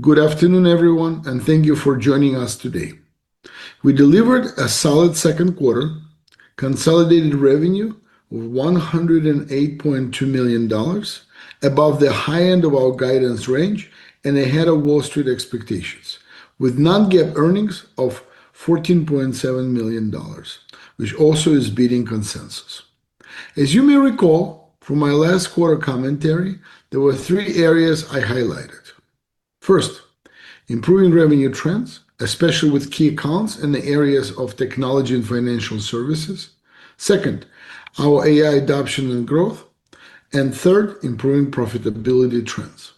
Good afternoon, everyone, and thank you for joining us today. We delivered a solid second quarter. Consolidated revenue of $108.2 million, above the high end of our guidance range and ahead of Wall Street expectations, with non-GAAP earnings of $14.7 million, which also is beating consensus. As you may recall from my last quarter commentary, there were three areas I highlighted. First, improving revenue trends, especially with key accounts in the areas of technology and financial services. Second, our AI adoption and growth. Third, improving profitability trends.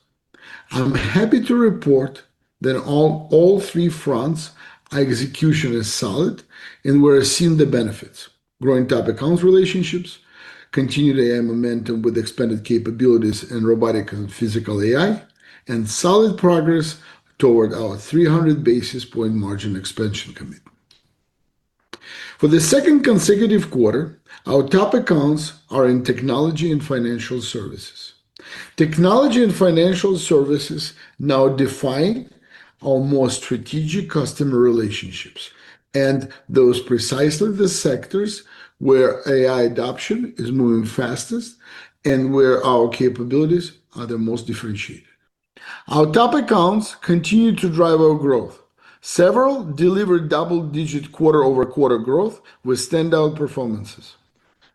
I'm happy to report that on all three fronts, our execution is solid and we're seeing the benefits. Growing top accounts relationships, continued AI momentum with expanded capabilities in robotic and physical AI, and solid progress toward our 300 basis point margin expansion commitment. For the second consecutive quarter, our top accounts are in technology and financial services. Technology and financial services now define our more strategic customer relationships and those precisely the sectors where AI adoption is moving fastest and where our capabilities are the most differentiated. Our top accounts continue to drive our growth. Several delivered double-digit quarter-over-quarter growth with standout performances.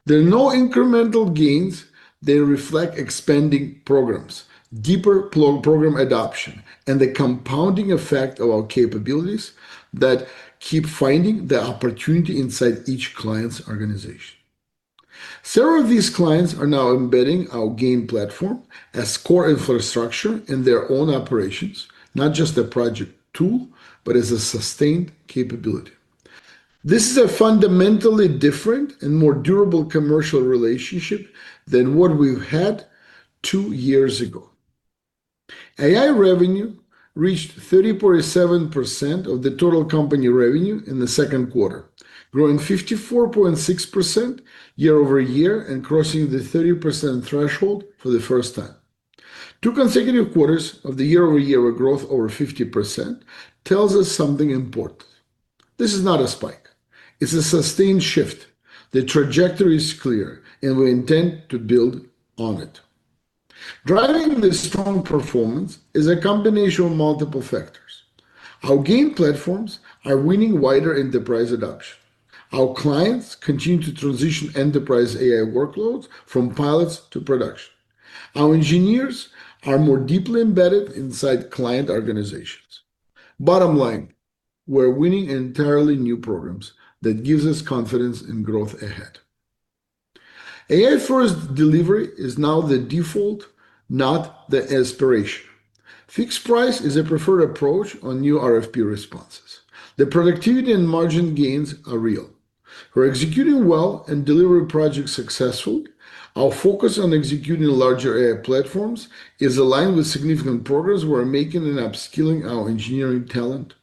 There are no incremental gains. They reflect expanding programs, deeper program adoption, and the compounding effect of our capabilities that keep finding the opportunity inside each client's organization. Several of these clients are now embedding our GAIN platform as core infrastructure in their own operations, not just a project tool, but as a sustained capability. This is a fundamentally different and more durable commercial relationship than what we've had two years ago. AI revenue reached 30.7% of the total company revenue in the second quarter, growing 54.6% year-over-year and crossing the 30% threshold for the first time. Two consecutive quarters of the year-over-year growth over 50% tells us something important. This is not a spike. It's a sustained shift. The trajectory is clear, and we intend to build on it. Driving this strong performance is a combination of multiple factors. Our GAIN platforms are winning wider enterprise adoption. Our clients continue to transition enterprise AI workloads from pilots to production. Our engineers are more deeply embedded inside client organizations. Bottom line, we're winning entirely new programs that gives us confidence in growth ahead. AI-first delivery is now the default, not the aspiration. Fixed price is a preferred approach on new RFP responses. The productivity and margin gains are real. We're executing well and delivering projects successfully. Our focus on executing larger AI platforms is aligned with significant progress we're making in upskilling our engineering talent.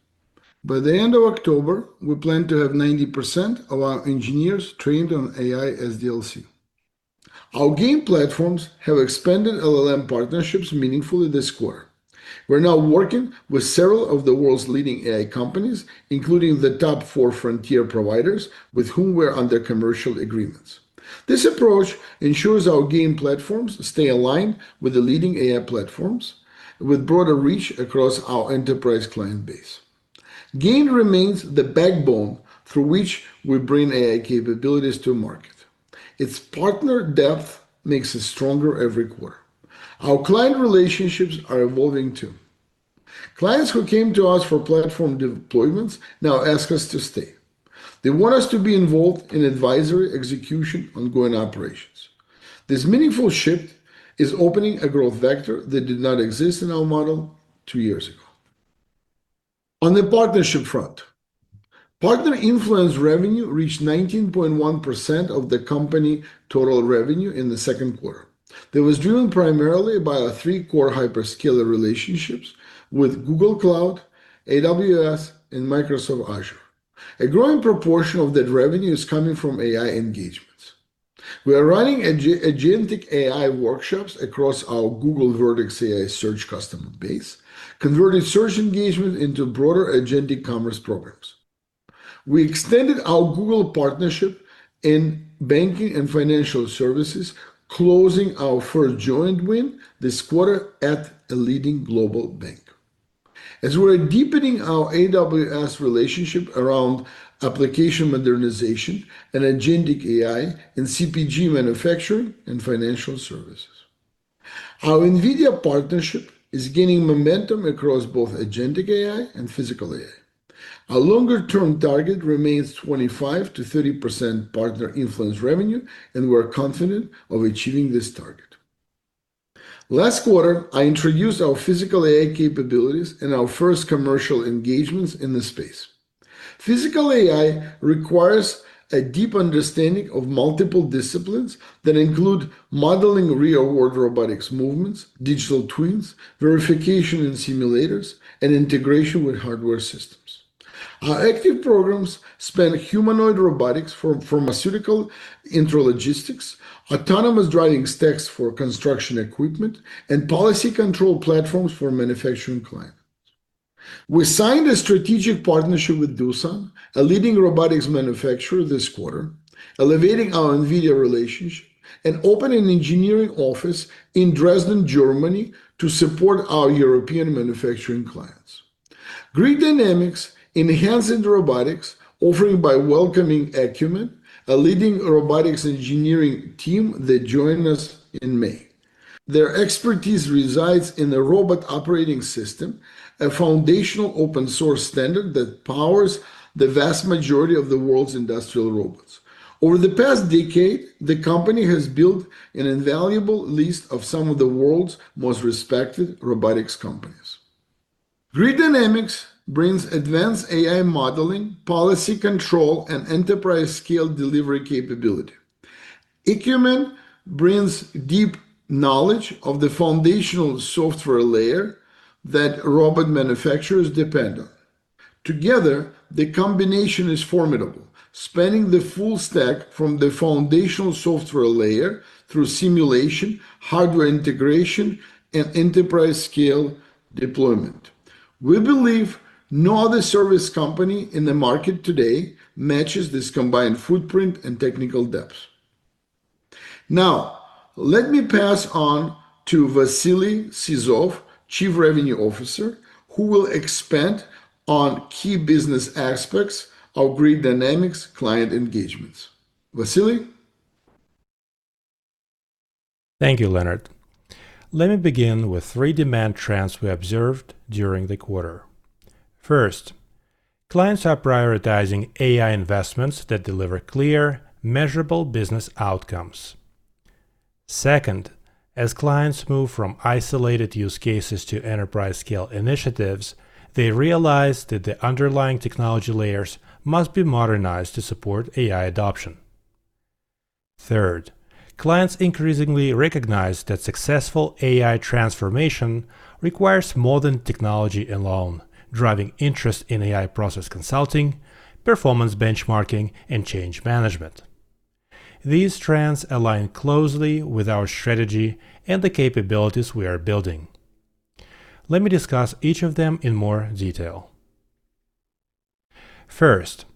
By the end of October, we plan to have 90% of our engineers trained on AI SDLC. Our GAIN platforms have expanded LLM partnerships meaningfully this quarter. We're now working with several of the world's leading AI companies, including the top four frontier providers with whom we're under commercial agreements. This approach ensures our GAIN platforms stay aligned with the leading AI platforms with broader reach across our enterprise client base. GAIN remains the backbone through which we bring AI capabilities to market. Its partner depth makes it stronger every quarter. Our client relationships are evolving, too. Clients who came to us for platform deployments now ask us to stay. They want us to be involved in advisory execution ongoing operations. This meaningful shift is opening a growth vector that did not exist in our model two years ago. On the partnership front, partner influence revenue reached 19.1% of the company total revenue in the second quarter. That was driven primarily by our three core hyperscaler relationships with Google Cloud, AWS, and Microsoft Azure. A growing proportion of that revenue is coming from AI engagements. We are running agentic AI workshops across our Google Vertex AI search customer base, converting search engagement into broader agentic commerce programs. We extended our Google partnership in banking and financial services, closing our first joint win this quarter at a leading global bank. We're deepening our AWS relationship around application modernization and agentic AI in CPG manufacturing and financial services. Our NVIDIA partnership is gaining momentum across both agentic AI and physical AI. Our longer-term target remains 25%-30% partner influence revenue, and we're confident of achieving this target. Last quarter, I introduced our physical AI capabilities and our first commercial engagements in the space. Physical AI requires a deep understanding of multiple disciplines that include modeling real-world robotics movements, digital twins, verification in simulators, and integration with hardware systems. Our active programs span humanoid robotics for pharmaceutical intralogistics, autonomous driving stacks for construction equipment, and policy control platforms for manufacturing clients. We signed a strategic partnership with Doosan, a leading robotics manufacturer this quarter, elevating our NVIDIA relationship and opening an engineering office in Dresden, Germany, to support our European manufacturing clients. Grid Dynamics enhanced robotics offering by welcoming Ekumen, a leading robotics engineering team that joined us in May. Their expertise resides in a Robot Operating System, a foundational open source standard that powers the vast majority of the world's industrial robots. Over the past decade, the company has built an invaluable list of some of the world's most respected robotics companies. Grid Dynamics brings advanced AI modeling, policy control, and enterprise-scale delivery capability. Ekumen brings deep knowledge of the foundational software layer that robot manufacturers depend on. Together, the combination is formidable, spanning the full stack from the foundational software layer through simulation, hardware integration, and enterprise-scale deployment. We believe no other service company in the market today matches this combined footprint and technical depth. Now, let me pass on to Vasily Sizov, Chief Revenue Officer, who will expand on key business aspects of Grid Dynamics client engagements. Vasily? Thank you, Leonard. Let me begin with three demand trends we observed during the quarter. First, clients are prioritizing AI investments that deliver clear, measurable business outcomes. Second, as clients move from isolated use cases to enterprise-scale initiatives, they realize that the underlying technology layers must be modernized to support AI adoption. Third, clients increasingly recognize that successful AI transformation requires more than technology alone, driving interest in AI process consulting, performance benchmarking, and change management. These trends align closely with our strategy and the capabilities we are building. Let me discuss each of them in more detail. First,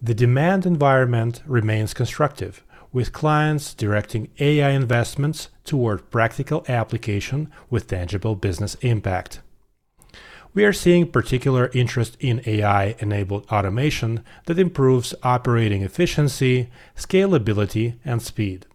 the demand environment remains constructive, with clients directing AI investments toward practical application with tangible business impact. We are seeing particular interest in AI-enabled automation that improves operating efficiency, scalability, and speed.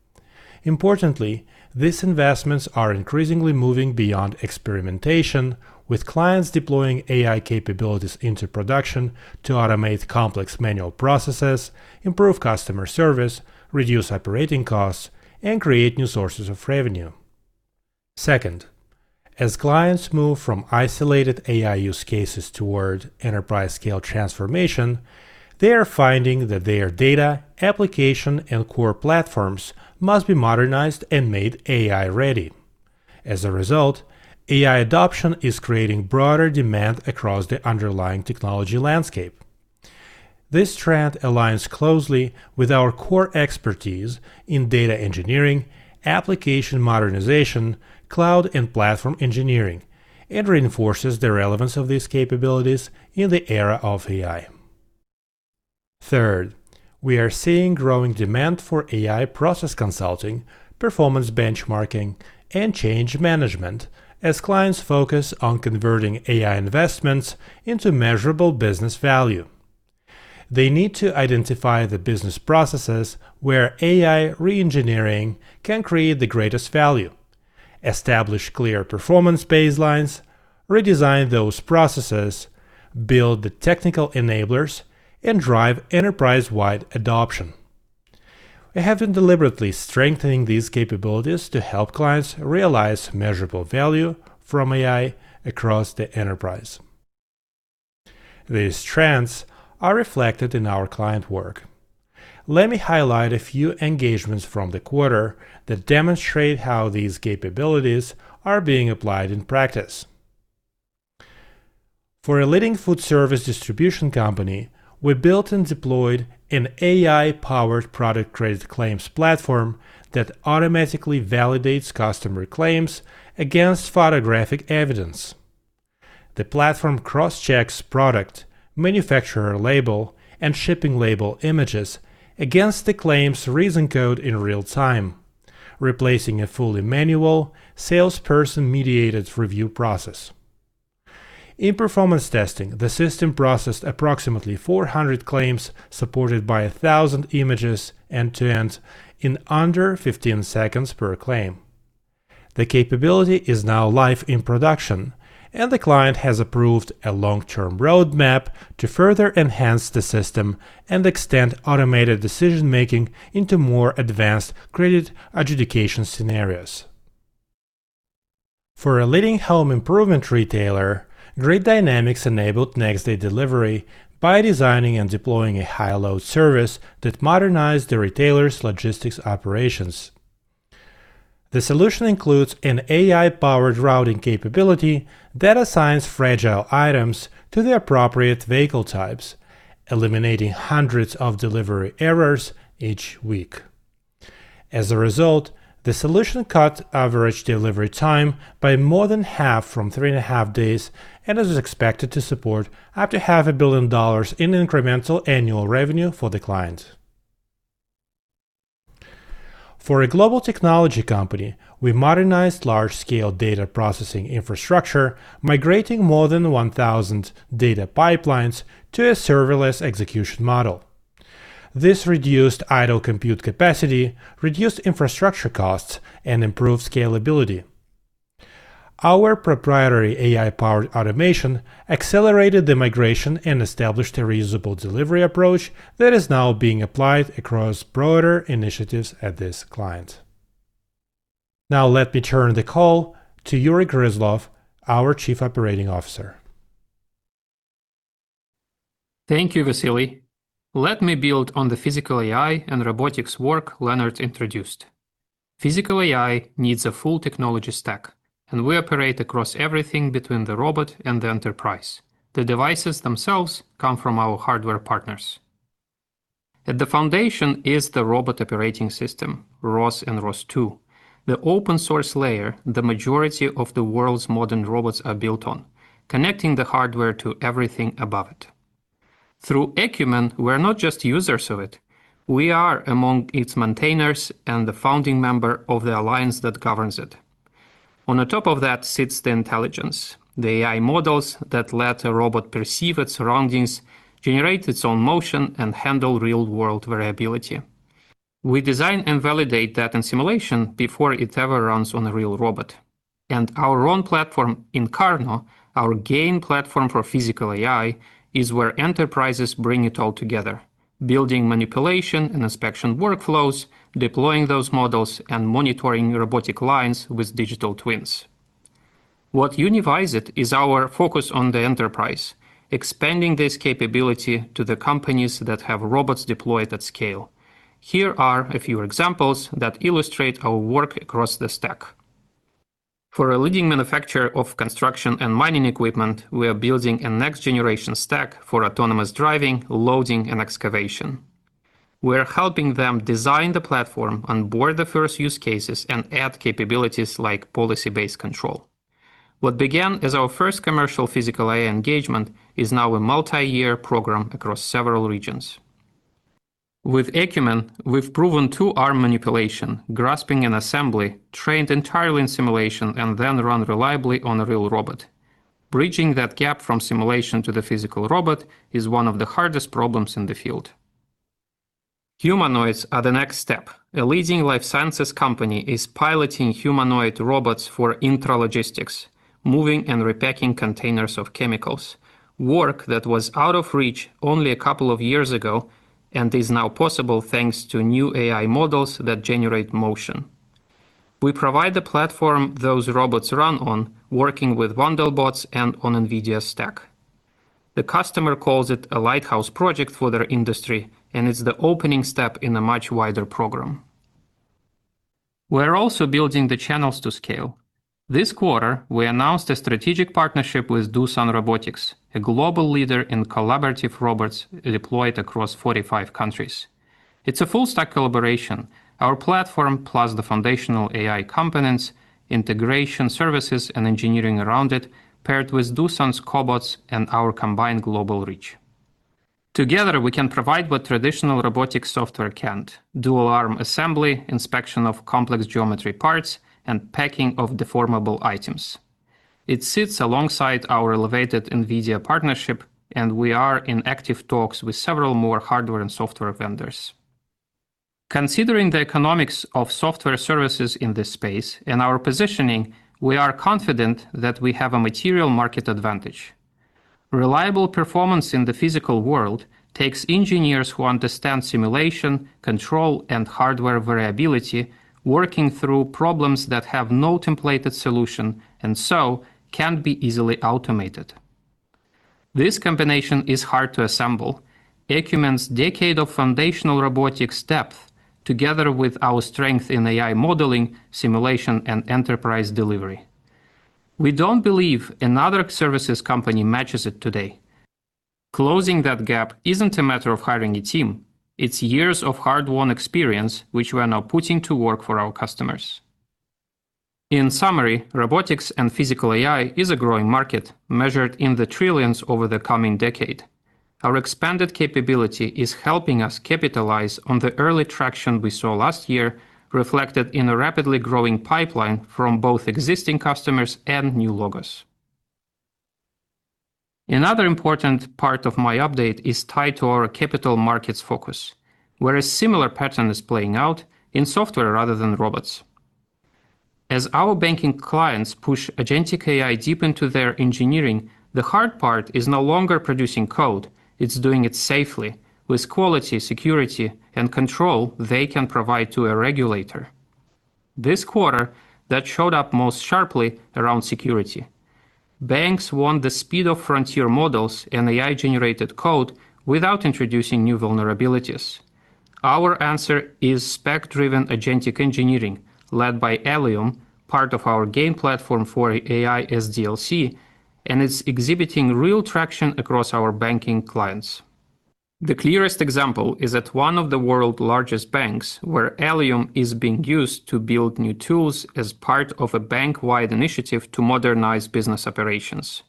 Importantly, these investments are increasingly moving beyond experimentation, with clients deploying AI capabilities into production to automate complex manual processes, improve customer service, reduce operating costs, and create new sources of revenue. Second, as clients move from isolated AI use cases toward enterprise-scale transformation, they are finding that their data, application, and core platforms must be modernized and made AI-ready. As a result, AI adoption is creating broader demand across the underlying technology landscape. This trend aligns closely with our core expertise in data engineering, application modernization, cloud and platform engineering and reinforces the relevance of these capabilities in the era of AI. Third, we are seeing growing demand for AI process consulting, performance benchmarking, and change management as clients focus on converting AI investments into measurable business value. They need to identify the business processes where AI re-engineering can create the greatest value, establish clear performance baselines, redesign those processes, build the technical enablers, and drive enterprise-wide adoption. We have been deliberately strengthening these capabilities to help clients realize measurable value from AI across the enterprise. These trends are reflected in our client work. Let me highlight a few engagements from the quarter that demonstrate how these capabilities are being applied in practice. For a leading food service distribution company, we built and deployed an AI-powered product credit claims platform that automatically validates customer claims against photographic evidence. The platform cross-checks product, manufacturer label, and shipping label images against the claim's reason code in real time, replacing a fully manual salesperson-mediated review process. In performance testing, the system processed approximately 400 claims supported by 1,000 images end to end in under 15 seconds per claim. The capability is now live in production. The client has approved a long-term roadmap to further enhance the system and extend automated decision-making into more advanced credit adjudication scenarios. For a leading home improvement retailer, Grid Dynamics enabled next-day delivery by designing and deploying a high-load service that modernized the retailer's logistics operations. The solution includes an AI-powered routing capability that assigns fragile items to the appropriate vehicle types, eliminating hundreds of delivery errors each week. As a result, the solution cut average delivery time by more than half from three and a half days, and is expected to support up to half a billion dollars in incremental annual revenue for the client. For a global technology company, we modernized large-scale data processing infrastructure, migrating more than 1,000 data pipelines to a serverless execution model. This reduced idle compute capacity, reduced infrastructure costs, and improved scalability. Our proprietary AI-powered automation accelerated the migration and established a reusable delivery approach that is now being applied across broader initiatives at this client. Now let me turn the call to Yury Gryzlov, our Chief Operating Officer. Thank you, Vasily. Let me build on the physical AI and robotics work Leonard introduced. Physical AI needs a full technology stack, and we operate across everything between the robot and the enterprise. The devices themselves come from our hardware partners. At the foundation is the Robot Operating System, ROS and ROS2, the open source layer the majority of the world's modern robots are built on, connecting the hardware to everything above it. Through Ekumen, we're not just users of it, we are among its maintainers and the founding member of the alliance that governs it. On the top of that sits the intelligence, the AI models that let a robot perceive its surroundings, generate its own motion, and handle real-world variability. We design and validate that in simulation before it ever runs on a real robot. Our own platform, Incarno, our GAIN Platform for Physical AI, is where enterprises bring it all together, building manipulation and inspection workflows, deploying those models, and monitoring robotic lines with digital twins. What unifies it is our focus on the enterprise, expanding this capability to the companies that have robots deployed at scale. Here are a few examples that illustrate our work across the stack. For a leading manufacturer of construction and mining equipment, we are building a next-generation stack for autonomous driving, loading, and excavation. We're helping them design the platform, onboard the first use cases, and add capabilities like policy-based control. What began as our first commercial physical AI engagement is now a multi-year program across several regions. With Ekumen, we've proven two arm manipulation, grasping and assembly, trained entirely in simulation and then run reliably on a real robot. Bridging that gap from simulation to the physical robot is one of the hardest problems in the field. Humanoids are the next step. A leading life sciences company is piloting humanoid robots for intralogistics, moving and repacking containers of chemicals, work that was out of reach only a couple of years ago and is now possible thanks to new AI models that generate motion. We provide the platform those robots run on, working with Wandelbots and on NVIDIA's stack. The customer calls it a lighthouse project for their industry, and it's the opening step in a much wider program. We're also building the channels to scale. This quarter, we announced a strategic partnership with Doosan Robotics, a global leader in collaborative robots deployed across 45 countries. It's a full stack collaboration. Our platform, plus the foundational AI components, integration services, and engineering around it, paired with Doosan's cobots and our combined global reach. Together, we can provide what traditional robotic software can't: dual arm assembly, inspection of complex geometry parts, and packing of deformable items. It sits alongside our elevated NVIDIA partnership, and we are in active talks with several more hardware and software vendors. Considering the economics of software services in this space and our positioning, we are confident that we have a material market advantage. Reliable performance in the physical world takes engineers who understand simulation, control, and hardware variability, working through problems that have no templated solution, and so can't be easily automated. This combination is hard to assemble. Ekumen's decade of foundational robotics depth, together with our strength in AI modeling, simulation, and enterprise delivery. We don't believe another services company matches it today. Closing that gap isn't a matter of hiring a team. It's years of hard-won experience, which we are now putting to work for our customers. In summary, robotics and physical AI is a growing market, measured in the trillions over the coming decade. Our expanded capability is helping us capitalize on the early traction we saw last year, reflected in a rapidly growing pipeline from both existing customers and new logos. Another important part of my update is tied to our capital markets focus, where a similar pattern is playing out in software rather than robots. As our banking clients push agentic AI deep into their engineering, the hard part is no longer producing code, it's doing it safely with quality, security, and control they can provide to a regulator. This quarter, that showed up most sharply around security. Banks want the speed of frontier models and AI-generated code without introducing new vulnerabilities. Our answer is spec-driven agentic engineering led by Allium, part of our GAIN platform for AI SDLC, and it's exhibiting real traction across our banking clients. The clearest example is at one of the world's largest banks, where Allium is being used to build new tools as part of a bank-wide initiative to modernize business operations.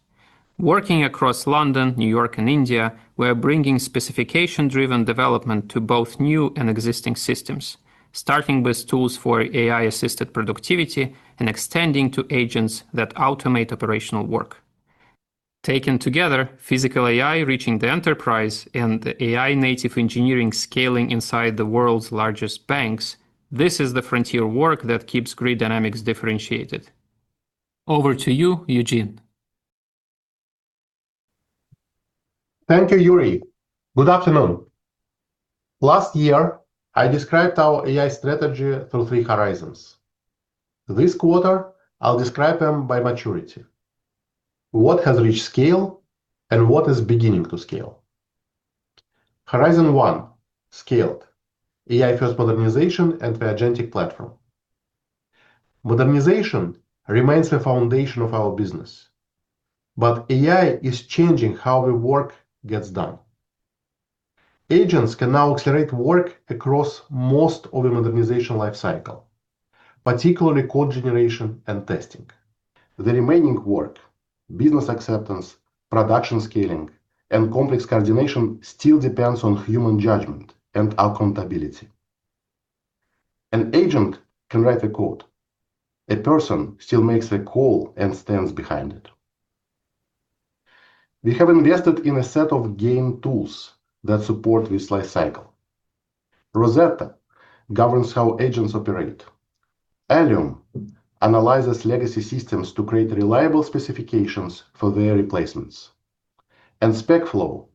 Working across London, New York, and India, we're bringing specification-driven development to both new and existing systems, starting with tools for AI-assisted productivity and extending to agents that automate operational work. Taken together, physical AI reaching the enterprise and the AI-native engineering scaling inside the world's largest banks, this is the frontier work that keeps Grid Dynamics differentiated. Over to you, Eugene. Thank you, Yury. Good afternoon. Last year, I described our AI strategy through three horizons. This quarter, I'll describe them by maturity, what has reached scale and what is beginning to scale. Horizon one, scaled, AI-first modernization and the agentic platform. Modernization remains the foundation of our business, AI is changing how the work gets done. Agents can now accelerate work across most of the modernization life cycle, particularly code generation and testing. The remaining work, business acceptance, production scaling, and complex coordination still depends on human judgment and accountability. An agent can write a code. A person still makes a call and stands behind it. We have invested in a set of GAIN tools that support this life cycle. Rosetta governs how agents operate. Allium analyzes legacy systems to create reliable specifications for their replacements. SpecFlow,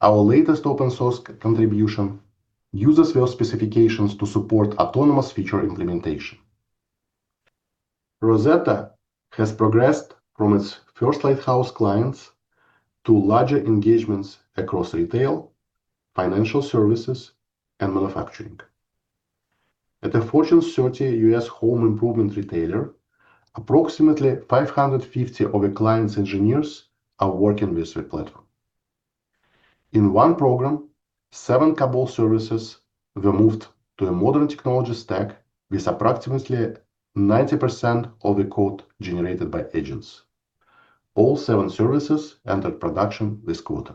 our latest open source contribution, uses those specifications to support autonomous feature implementation. Rosetta has progressed from its first lighthouse clients to larger engagements across retail, financial services, and manufacturing. At a Fortune 30 U.S. home improvement retailer, approximately 550 of the client's engineers are working with the platform. In one program, seven COBOL services were moved to a modern technology stack with approximately 90% of the code generated by agents. All seven services entered production this quarter.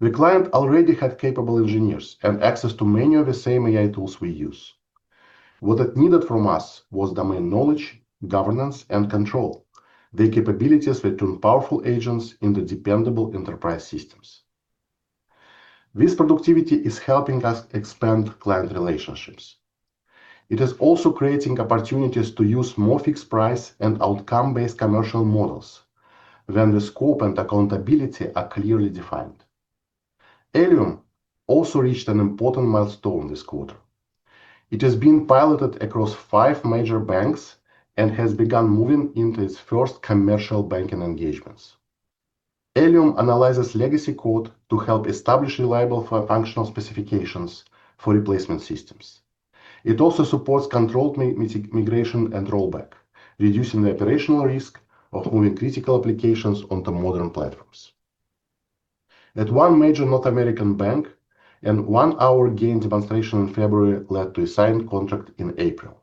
The client already had capable engineers and access to many of the same AI tools we use. What it needed from us was domain knowledge, governance, and control, the capabilities that turn powerful agents into dependable enterprise systems. This productivity is helping us expand client relationships. It is also creating opportunities to use more fixed price and outcome-based commercial models when the scope and accountability are clearly defined. Allium also reached an important milestone this quarter. It is being piloted across five major banks and has begun moving into its first commercial banking engagements. Allium analyzes legacy code to help establish reliable functional specifications for replacement systems. It also supports controlled migration and rollback, reducing the operational risk of moving critical applications onto modern platforms. At one major North American bank, a one-hour GAIN demonstration in February led to a signed contract in April.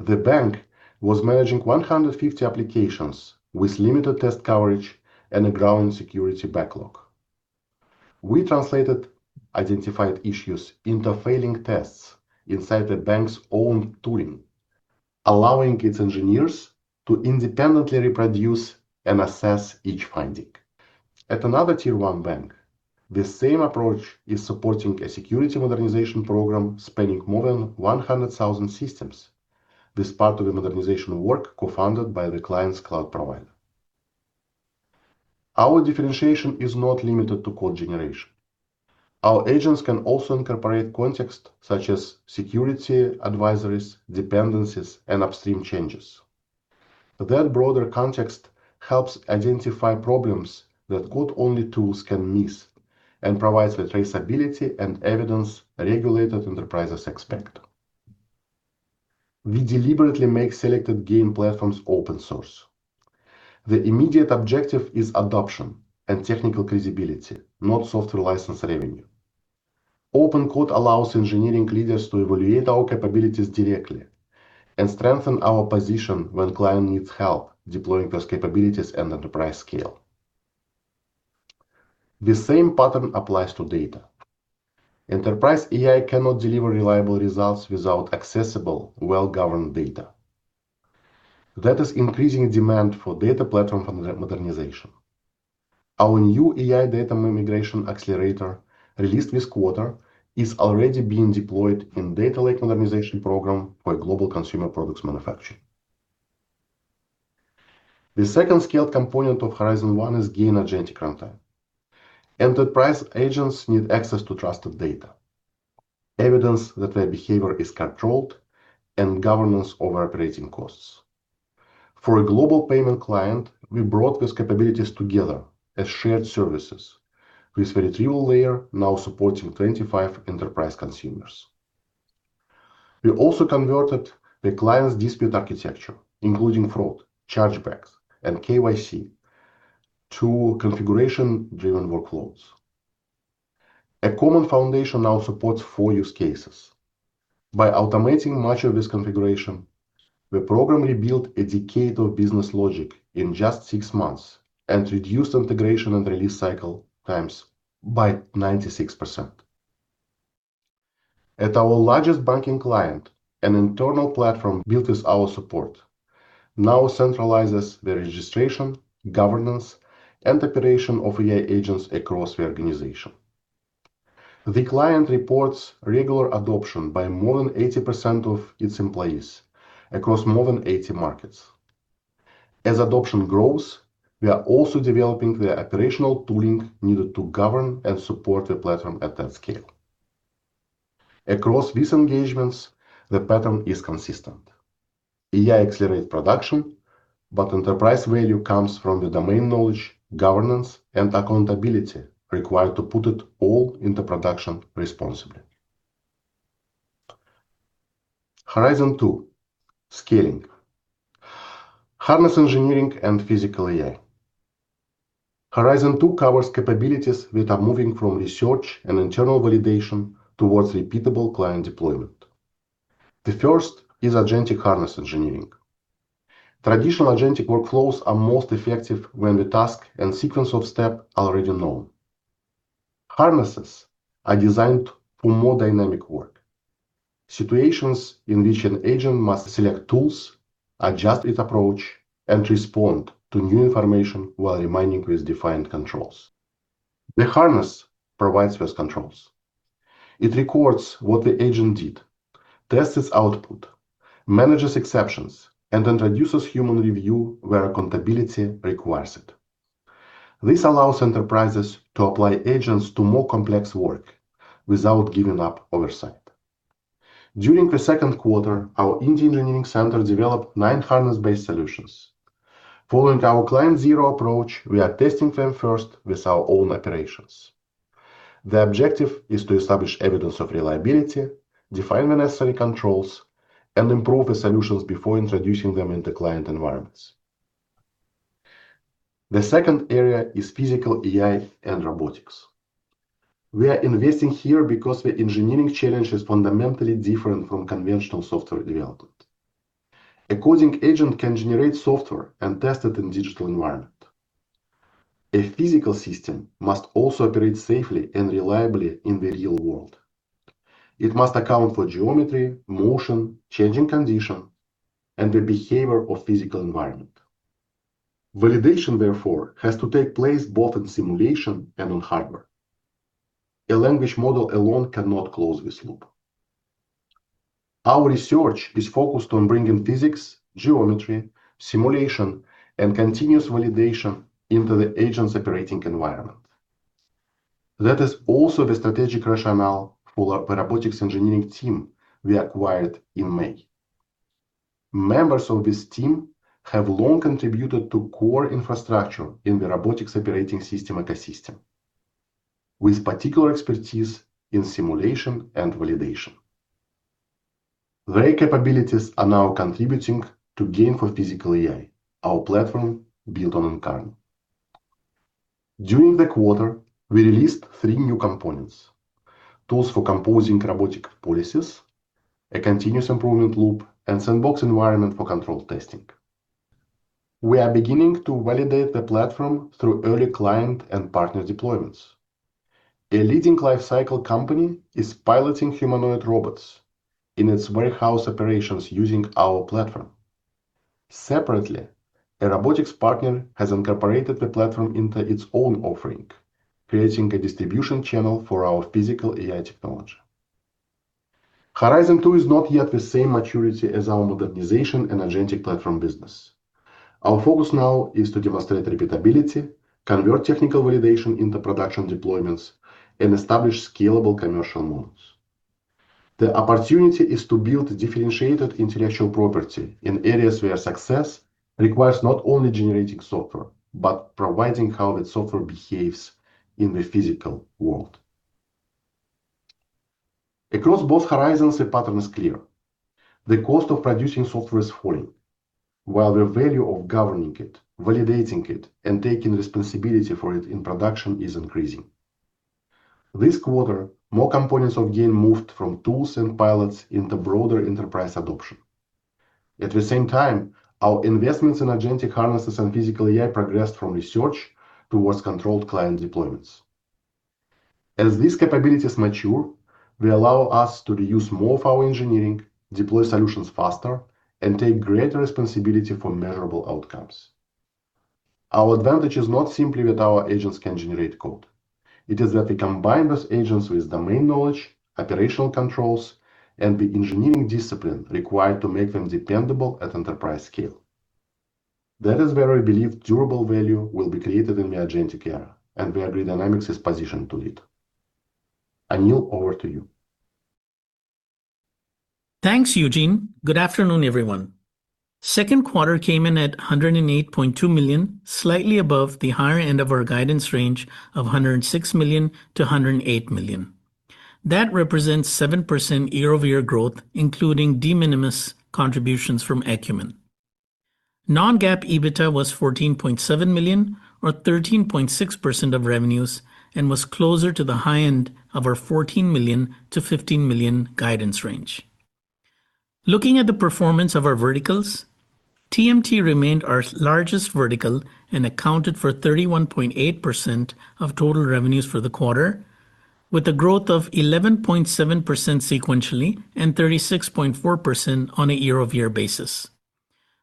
The bank was managing 150 applications with limited test coverage and a growing security backlog. We translated identified issues into failing tests inside the bank's own tooling, allowing its engineers to independently reproduce and assess each finding. At another Tier 1 bank, this same approach is supporting a security modernization program spanning more than 100,000 systems. This part of the modernization work co-funded by the client's cloud provider. Our differentiation is not limited to code generation. Our agents can also incorporate context such as security advisories, dependencies, and upstream changes. That broader context helps identify problems that code-only tools can miss and provides the traceability and evidence regulated enterprises expect. We deliberately make selected GAIN platforms open source. The immediate objective is adoption and technical credibility, not software license revenue. Open code allows engineering leaders to evaluate our capabilities directly and strengthen our position when client needs help deploying those capabilities at enterprise scale. The same pattern applies to data. Enterprise AI cannot deliver reliable results without accessible, well-governed data. That is increasing demand for data platform modernization. Our new AI data migration accelerator, released this quarter, is already being deployed in data lake modernization program for a global consumer products manufacturer. The second scaled component of Horizon one is GAIN Agentic Runtime. Enterprise agents need access to trusted data. Evidence that their behavior is controlled, and governance over operating costs. For a global payment client, we brought these capabilities together as shared services, with the retrieval layer now supporting 25 enterprise consumers. We also converted the client's dispute architecture, including fraud, chargebacks, and KYC, to configuration-driven workloads. A common foundation now supports four use cases. By automating much of this configuration, the program rebuilt a decade of business logic in just six months and reduced integration and release cycle times by 96%. At our largest banking client, an internal platform built with our support now centralizes the registration, governance, and operation of AI agents across the organization. The client reports regular adoption by more than 80% of its employees across more than 80 markets. As adoption grows, we are also developing the operational tooling needed to govern and support the platform at that scale. Across these engagements, the pattern is consistent. AI accelerates production, but enterprise value comes from the domain knowledge, governance, and accountability required to put it all into production responsibly. Horizon two: scaling. Harness engineering and physical AI. Horizon two covers capabilities that are moving from research and internal validation towards repeatable client deployment. The first is agentic harness engineering. Traditional agentic workflows are most effective when the task and sequence of step are already known. Harnesses are designed for more dynamic work, situations in which an agent must select tools, adjust its approach, and respond to new information while remaining with defined controls. The harness provides those controls. It records what the agent did, tests its output, manages exceptions, and introduces human review where accountability requires it. This allows enterprises to apply agents to more complex work without giving up oversight. During the second quarter, our India engineering center developed nine harness-based solutions. Following our client zero approach, we are testing them first with our own operations. The objective is to establish evidence of reliability, define the necessary controls, and improve the solutions before introducing them into client environments. The second area is physical AI and robotics. We are investing here because the engineering challenge is fundamentally different from conventional software development. A coding agent can generate software and test it in digital environment. A physical system must also operate safely and reliably in the real world. It must account for geometry, motion, changing conditions, and the behavior of physical environment. Validation, therefore, has to take place both in simulation and on hardware. A language model alone cannot close this loop. Our research is focused on bringing physics, geometry, simulation, and continuous validation into the agent's operating environment. That is also the strategic rationale for the robotics engineering team we acquired in May. Members of this team have long contributed to core infrastructure in the Robot Operating System ecosystem, with particular expertise in simulation and validation. Their capabilities are now contributing to GAIN for Physical AI, our platform built on Incarno. During the quarter, we released three new components: tools for composing robotic policies, a continuous improvement loop, and sandbox environment for control testing. We are beginning to validate the platform through early client and partner deployments. A leading life cycle company is piloting humanoid robots in its warehouse operations using our platform. Separately, a robotics partner has incorporated the platform into its own offering, creating a distribution channel for our physical AI technology. Horizon two is not yet the same maturity as our modernization and agentic platform business. Our focus now is to demonstrate repeatability, convert technical validation into production deployments, and establish scalable commercial models. The opportunity is to build differentiated intellectual property in areas where success requires not only generating software but providing how that software behaves in the physical world. Across both horizons, the pattern is clear. The cost of producing software is falling, while the value of governing it, validating it, and taking responsibility for it in production is increasing. This quarter, more components of GAIN moved from tools and pilots into broader enterprise adoption. At the same time, our investments in agentic harnesses and physical AI progressed from research towards controlled client deployments. As these capabilities mature, they allow us to reuse more of our engineering, deploy solutions faster, and take greater responsibility for measurable outcomes. Our advantage is not simply that our agents can generate code. It is that we combine those agents with domain knowledge, operational controls, and the engineering discipline required to make them dependable at enterprise scale. That is where we believe durable value will be created in the agentic era, and where Grid Dynamics is positioned to lead. Anil, over to you. Thanks, Eugene. Good afternoon, everyone. Second quarter came in at $108.2 million, slightly above the higher end of our guidance range of $106 million-$108 million. That represents 7% year-over-year growth, including de minimis contributions from Ekumen. Non-GAAP EBITDA was $14.7 million or 13.6% of revenues and was closer to the high end of our $14 million-$15 million guidance range. Looking at the performance of our verticals, TMT remained our largest vertical and accounted for 31.8% of total revenues for the quarter, with a growth of 11.7% sequentially and 36.4% on a year-over-year basis.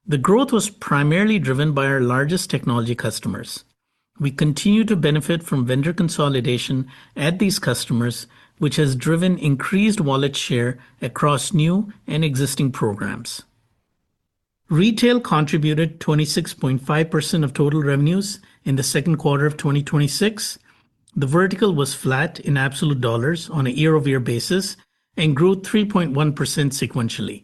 The growth was primarily driven by our largest technology customers. We continue to benefit from vendor consolidation at these customers, which has driven increased wallet share across new and existing programs. Retail contributed 26.5% of total revenues in the second quarter of 2026. The vertical was flat in absolute dollars on a year-over-year basis and grew 3.1% sequentially.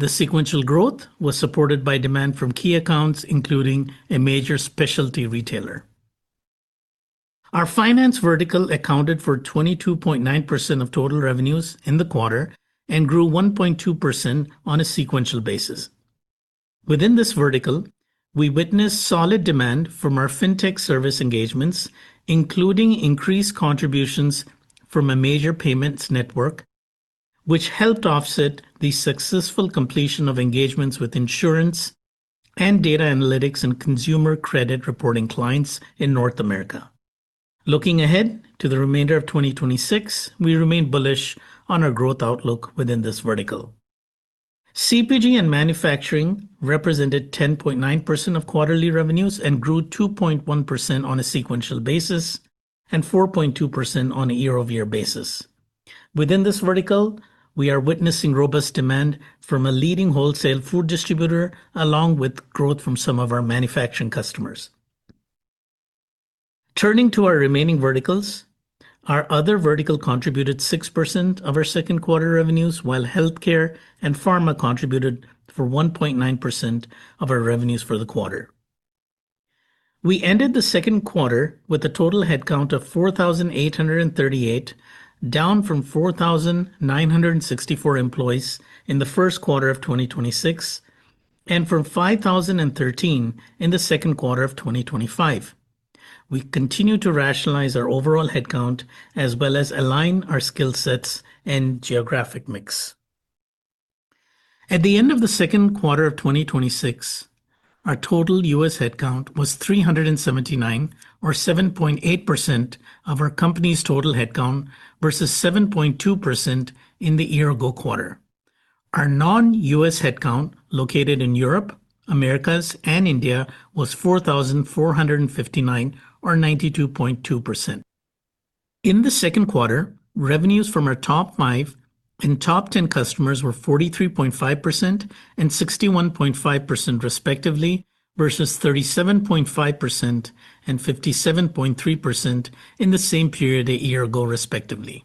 The sequential growth was supported by demand from key accounts, including a major specialty retailer. Our finance vertical accounted for 22.9% of total revenues in the quarter and grew 1.2% on a sequential basis. Within this vertical, we witnessed solid demand from our fintech service engagements, including increased contributions from a major payments network, which helped offset the successful completion of engagements with insurance and data analytics and consumer credit reporting clients in North America. Looking ahead to the remainder of 2026, we remain bullish on our growth outlook within this vertical. CPG and manufacturing represented 10.9% of quarterly revenues and grew 2.1% on a sequential basis and 4.2% on a year-over-year basis. Within this vertical, we are witnessing robust demand from a leading wholesale food distributor, along with growth from some of our manufacturing customers. Turning to our remaining verticals, our other vertical contributed 6% of our second quarter revenues, while healthcare and pharma contributed for 1.9% of our revenues for the quarter. We ended the second quarter with a total headcount of 4,838, down from 4,964 employees in the first quarter of 2026 and from 5,013 in the second quarter of 2025. We continue to rationalize our overall headcount as well as align our skill sets and geographic mix. At the end of the second quarter of 2026, our total U.S. headcount was 379, or 7.8% of our company's total headcount versus 7.2% in the year-ago quarter. Our non-U.S. headcount, located in Europe, Americas, and India, was 4,459, or 92.2%. In the second quarter, revenues from our top five and top 10 customers were 43.5% and 61.5% respectively, versus 37.5% and 57.3% in the same period a year ago respectively.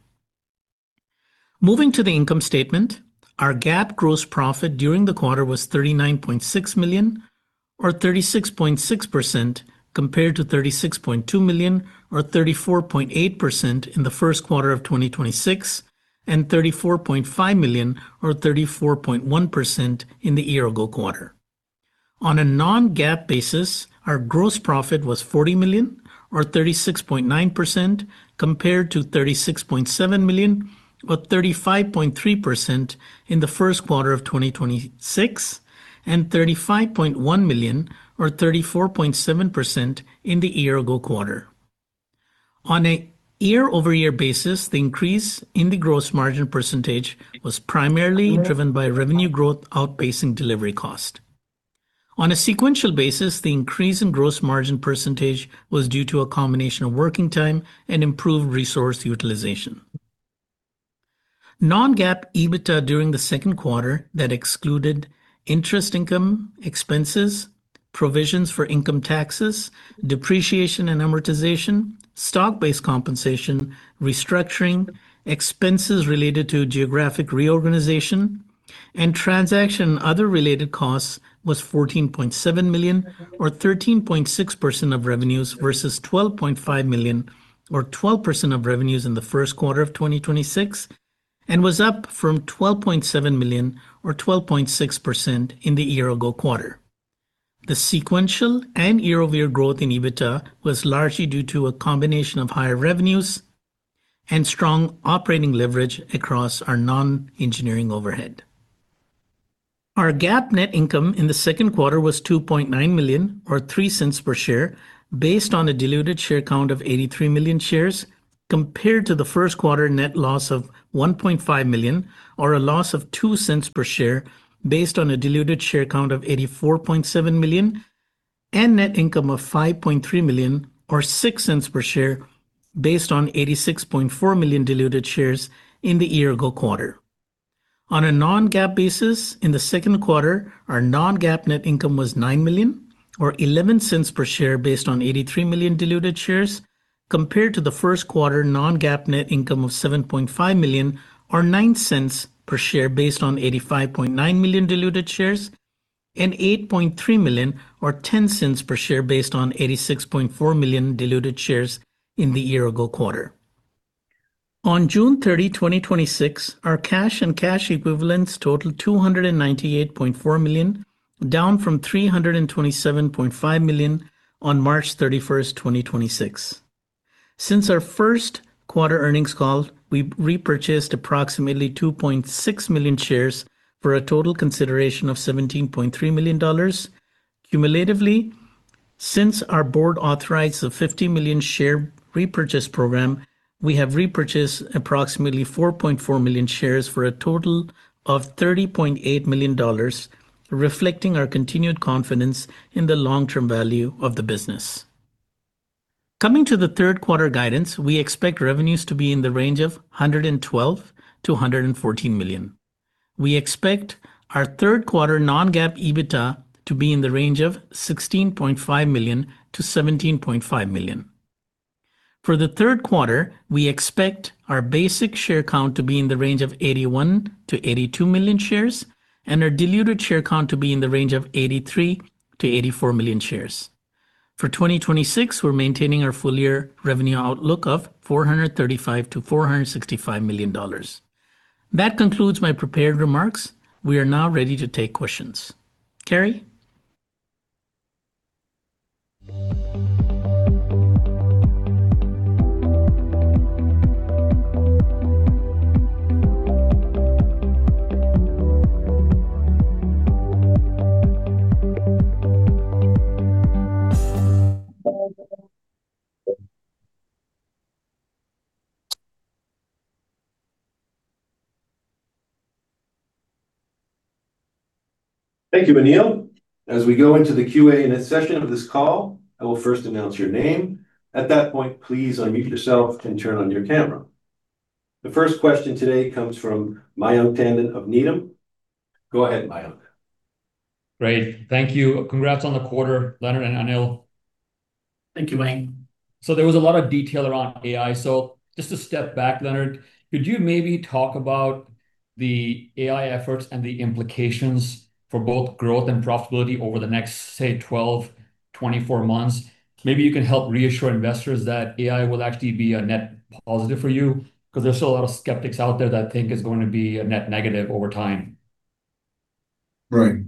Moving to the income statement, our GAAP gross profit during the quarter was $39.6 million, or 36.6%, compared to $36.2 million, or 34.8%, in the first quarter of 2026 and $34.5 million or 34.1% in the year-ago quarter. On a non-GAAP basis, our gross profit was $40 million, or 36.9%, compared to $36.7 million, or 35.3%, in the first quarter of 2026 and $35.1 million or 34.7% in the year-ago quarter. On a year-over-year basis, the increase in the gross margin percentage was primarily driven by revenue growth outpacing delivery cost. On a sequential basis, the increase in gross margin percentage was due to a combination of working time and improved resource utilization. Non-GAAP EBITDA during the second quarter that excluded interest income, expenses, provisions for income taxes, depreciation and amortization, stock-based compensation, restructuring, expenses related to geographic reorganization, and transaction and other related costs was $14.7 million, or 13.6% of revenues, versus $12.5 million or 12% of revenues in the first quarter of 2026 and was up from $12.7 million or 12.6% in the year-ago quarter. The sequential and year-over-year growth in EBITDA was largely due to a combination of higher revenues and strong operating leverage across our non-engineering overhead. Our GAAP net income in the second quarter was $2.9 million, or $0.03 per share, based on a diluted share count of 83 million shares, compared to the first quarter net loss of $1.5 million or a loss of $0.02 per share based on a diluted share count of 84.7 million and net income of $5.3 million or $0.06 per share based on 86.4 million diluted shares in the year-ago quarter. On a non-GAAP basis, in the second quarter, our non-GAAP net income was $9 million or $0.11 per share based on 83 million diluted shares compared to the first quarter non-GAAP net income of $7.5 million or $0.09 per share based on 85.9 million diluted shares, and $8.3 million or $0.10 per share based on 86.4 million diluted shares in the year-ago quarter. On June 30, 2026, our cash and cash equivalents totaled $298.4 million, down from $327.5 million on March 31st, 2026. Since our first quarter earnings call, we repurchased approximately 2.6 million shares for a total consideration of $17.3 million. Cumulatively, since our board authorized the 50 million share repurchase program, we have repurchased approximately 4.4 million shares for a total of $30.8 million, reflecting our continued confidence in the long-term value of the business. Coming to the third quarter guidance, we expect revenues to be in the range of $112 million-$114 million. We expect our third quarter non-GAAP EBITDA to be in the range of $16.5 million-$17.5 million. For the third quarter, we expect our basic share count to be in the range of 81 million-82 million shares and our diluted share count to be in the range of 83 million-84 million shares. For 2026, we're maintaining our full year revenue outlook of $435 million-$465 million. That concludes my prepared remarks. We are now ready to take questions. Carrie? Thank you, Anil. As we go into the Q&A session of this call, I will first announce your name. At that point, please unmute yourself and turn on your camera. The first question today comes from Mayank Tandon of Needham. Go ahead, Mayank. Great. Thank you. Congrats on the quarter, Leonard and Anil. Thank you, Mayank. There was a lot of detail around AI. Just to step back, Leonard, could you maybe talk about the AI efforts and the implications for both growth and profitability over the next, say, 12, 24 months? Maybe you can help reassure investors that AI will actually be a net positive for you, because there's still a lot of skeptics out there that think it's going to be a net negative over time. Right.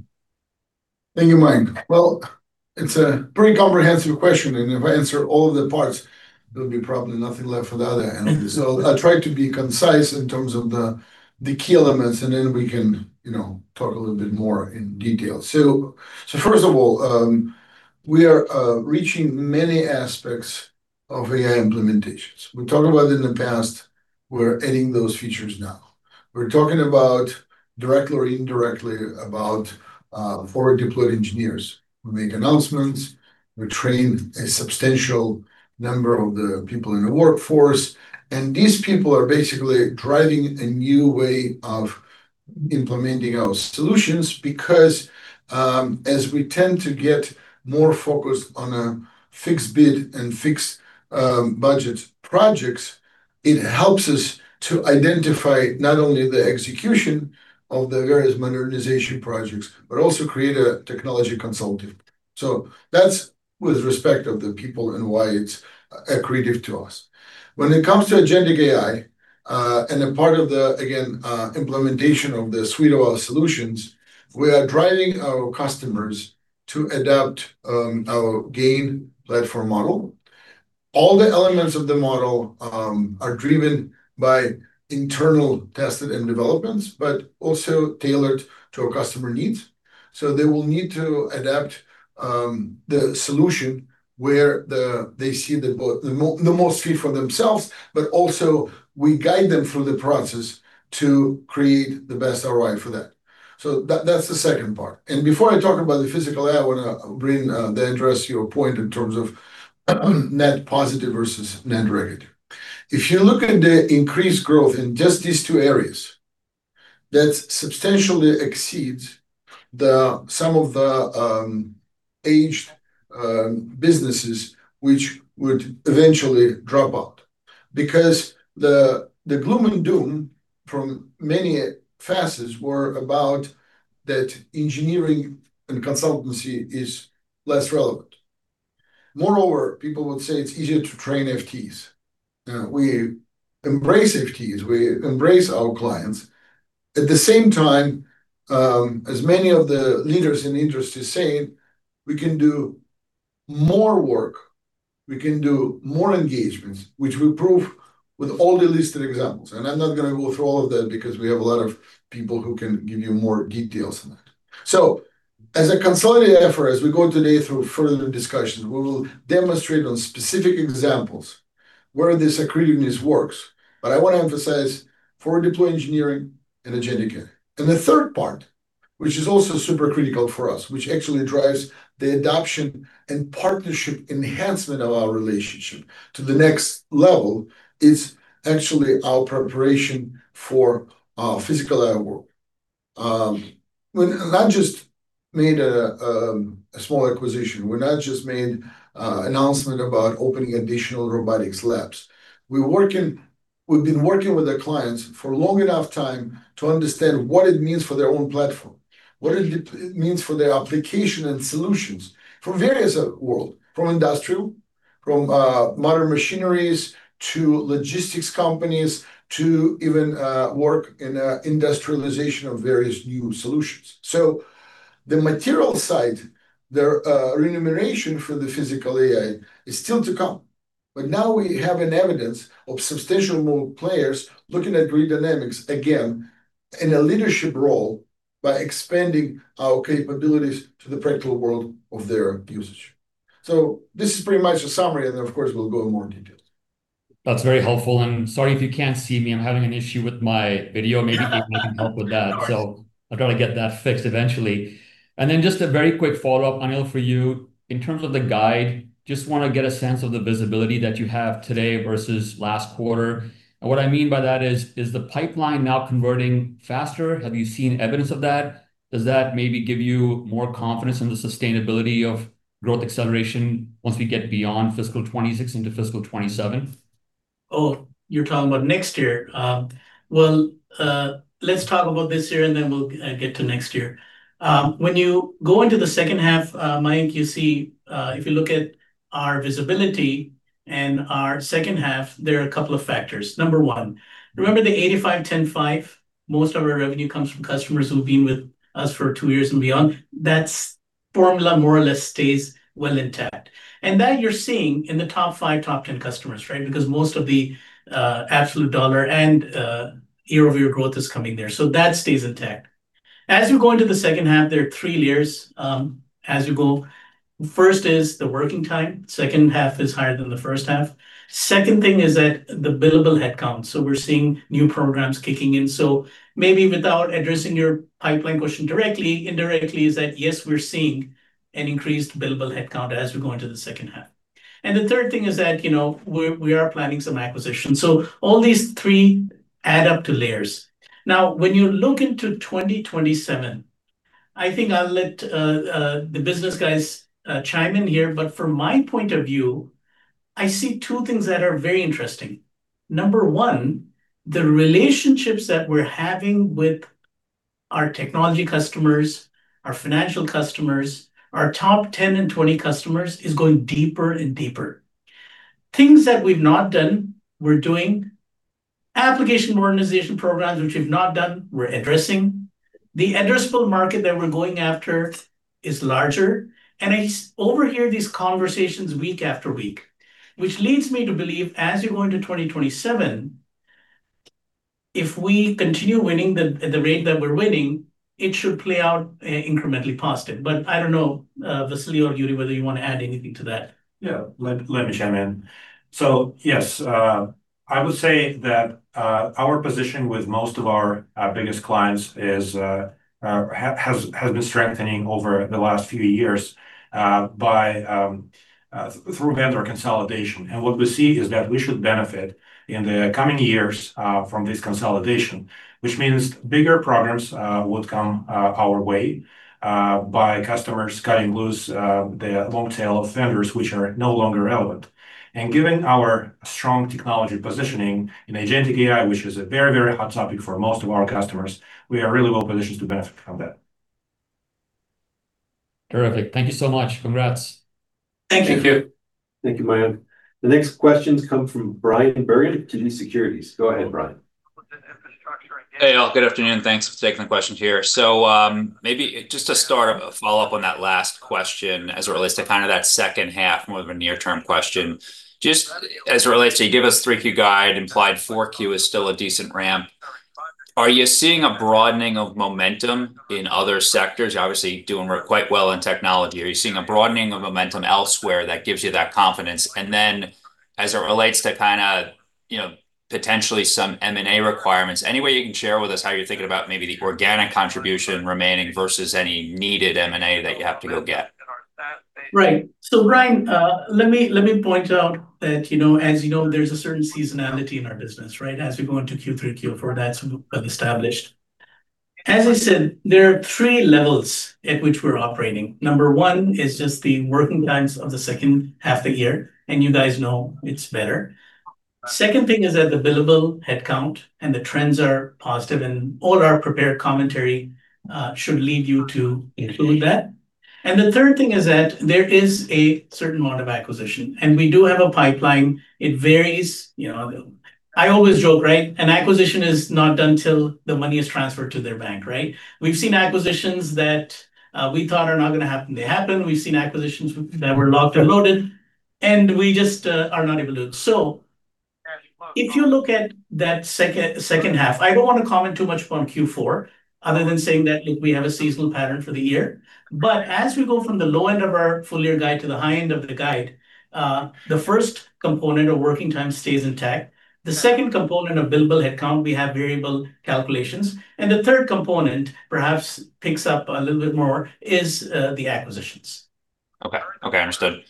Thank you, Mayank. It's a pretty comprehensive question. If I answer all of the parts, there'll be probably nothing left for the other end. I'll try to be concise in terms of the key elements. Then we can talk a little bit more in detail. First of all, we are reaching many aspects of AI implementations. We talked about it in the past. We're adding those features now. We're talking about directly or indirectly about forward deployed engineers. We make announcements. We train a substantial number of the people in the workforce, and these people are basically driving a new way of implementing our solutions because, as we tend to get more focused on a fixed bid and fixed budget projects, it helps us to identify not only the execution of the various modernization projects, but also create a technology consulting. That's with respect of the people and why it's accretive to us. When it comes to agentic AI, a part of the, again, implementation of the suite of our solutions, we are driving our customers to adopt our GAIN platform model. All the elements of the model are driven by internal tested and developments, but also tailored to our customer needs. They will need to adapt the solution where they see the most fit for themselves, but also we guide them through the process to create the best ROI for that. That's the second part. Before I talk about the physical AI, I want to bring, to address your point in terms of net positive versus net negative. If you look at the increased growth in just these two areas, that substantially exceeds the, some of the aged businesses which would eventually drop out. Because the gloom and doom from many facets were about that engineering and consultancy is less relevant. Moreover, people would say it's easier to train FTEs. We embrace FTEs. We embrace our clients. At the same time, as many of the leaders in the industry saying, we can do more work, we can do more engagements, which we prove with all the listed examples. I'm not going to go through all of them because we have a lot of people who can give you more details on that. As a consolidated effort, as we go today through further discussions, we will demonstrate on specific examples where this accretiveness works. I want to emphasize forward deploy engineering and agentic AI. The third part which is also super critical for us, which actually drives the adoption and partnership enhancement of our relationship to the next level, is actually our preparation for physical AI work. We not just made a small acquisition. We not just made a announcement about opening additional robotics labs. We've been working with our clients for a long enough time to understand what it means for their own platform, what it means for their application and solutions from various world, from industrial, from modern machineries to logistics companies, to even work in industrialization of various new solutions. The material side, the remuneration for the physical AI is still to come, but now we have an evidence of substantial players looking at Grid Dynamics, again, in a leadership role by expanding our capabilities to the practical world of their usage. This is pretty much a summary, and then, of course, we'll go in more in detail. That's very helpful, and sorry if you can't see me. I'm having an issue with my video. You can help with that. I'll try to get that fixed eventually. Just a very quick follow-up, Anil, for you. In terms of the guide, just want to get a sense of the visibility that you have today versus last quarter. What I mean by that is the pipeline now converting faster? Have you seen evidence of that? Does that maybe give you more confidence in the sustainability of growth acceleration once we get beyond fiscal 2026 into fiscal 2027? You're talking about next year. Let's talk about this year, and then we'll get to next year. You go into the second half, Mayank, you see, if you look at our visibility and our second half, there are a couple of factors. Number one, remember the 85/10/5? Most of our revenue comes from customers who've been with us for two years and beyond. That formula more or less stays well intact. That you're seeing in the top five, top 10 customers, right? Because most of the absolute dollar and year-over-year growth is coming there. That stays intact. As you go into the second half, there are three layers, as you go. First is the working time. Second half is higher than the first half. Second thing is that the billable headcount. We're seeing new programs kicking in. Maybe without addressing your pipeline question directly, indirectly is that, yes, we're seeing an increased billable headcount as we go into the second half. The third thing is that we are planning some acquisitions. All these three add up to layers. When you look into 2027, I think I'll let the business guys chime in here, but from my point of view, I see two things that are very interesting. Number one, the relationships that we're having with our technology customers, our financial customers, our top 10 and 20 customers, is going deeper and deeper. Things that we've not done, we're doing. Application modernization programs, which we've not done, we're addressing. The addressable market that we're going after is larger. I overhear these conversations week after week. Which leads me to believe as you go into 2027, if we continue winning at the rate that we're winning, it should play out incrementally past it. I don't know, Vasily or Yury, whether you want to add anything to that. Yeah. Let me chime in. Yes, I would say that our position with most of our biggest clients has been strengthening over the last few years, through vendor consolidation. What we see is that we should benefit in the coming years, from this consolidation, which means bigger programs would come our way, by customers cutting loose, the long tail of vendors which are no longer relevant. Given our strong technology positioning in agentic AI, which is a very hot topic for most of our customers, we are really well-positioned to benefit from that. Terrific. Thank you so much. Congrats. Thank you. Thank you. Thank you, Mayank. The next questions come from Bryan Bergin, TD Securities. Go ahead, Bryan. Hey, y'all. Good afternoon. Thanks. Taking the questions here. Maybe just to start, a follow-up on that last question as it relates to that second half, more of a near-term question. Just as it relates to, you give us 3Q guide, implied 4Q is still a decent ramp. Are you seeing a broadening of momentum in other sectors? You're obviously doing quite well in technology. Are you seeing a broadening of momentum elsewhere that gives you that confidence? As it relates to potentially some M&A requirements, any way you can share with us how you're thinking about maybe the organic contribution remaining versus any needed M&A that you have to go get? Right. Bryan, let me point out that as you know, there's a certain seasonality in our business, right? As we go into Q3, Q4, that's well established. As I said, there are three levels at which we're operating. Number one is just the working times of the second half of the year, and you guys know it's better. Second thing is that the billable headcount and the trends are positive, and all our prepared commentary should lead you to include that. The third thing is that there is a certain amount of acquisition, and we do have a pipeline. It varies. I always joke, right? An acquisition is not done till the money is transferred to their bank, right? We've seen acquisitions that we thought are not going to happen, they happen. We've seen acquisitions that were locked and loaded, and we just are not able to. If you look at that second half, I don't want to comment too much upon Q4 other than saying that, look, we have a seasonal pattern for the year. As we go from the low end of our full-year guide to the high end of the guide, the first component of working time stays intact. The second component of billable headcount, we have variable calculations. The third component perhaps picks up a little bit more is the acquisitions. Okay. Understood.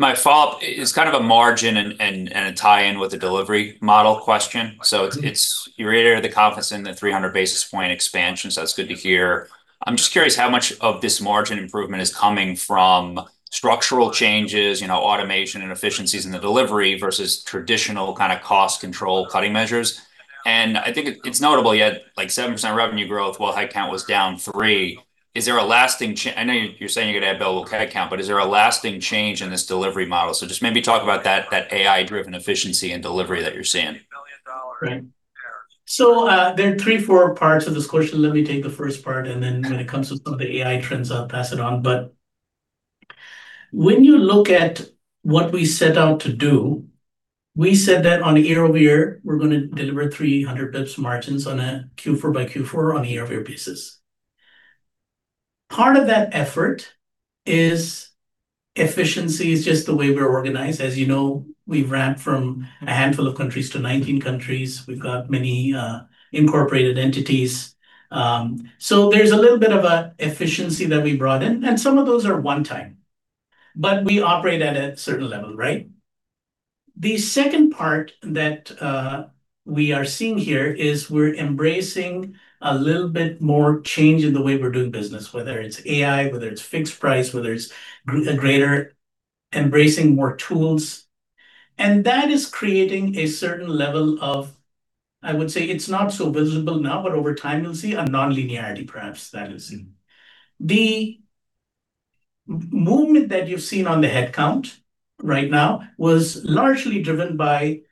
My follow-up is a margin and a tie-in with the delivery model question. You reiterate the confidence in the 300 basis point expansion, that's good to hear. I'm just curious how much of this margin improvement is coming from structural changes, automation, and efficiencies in the delivery versus traditional cost control cutting measures. I think it's notable you had 7% revenue growth while headcount was down three. I know you're saying you're going to add billable headcount, but is there a lasting change in this delivery model? Just maybe talk about that AI-driven efficiency and delivery that you're seeing. Right. There are three, four parts of this question. Let me take the first part, and then when it comes to some of the AI trends, I'll pass it on. When you look at what we set out to do, we said that on a year-over-year, we're going to deliver 300 basis points margins on a Q4-by-Q4 on a year-over-year basis. Part of that effort is efficiency. It's just the way we're organized. As you know, we've ramped from a handful of countries to 19 countries. We've got many incorporated entities. There's a little bit of a efficiency that we brought in, and some of those are one-time, but we operate at a certain level, right? The second part that we are seeing here is we're embracing a little bit more change in the way we're doing business, whether it's AI, whether it's fixed price, whether it's embracing more tools. That is creating a certain level of, I would say, it's not so visible now, but over time, you'll see a non-linearity perhaps that is in. The movement that you've seen on the headcount right now was largely driven by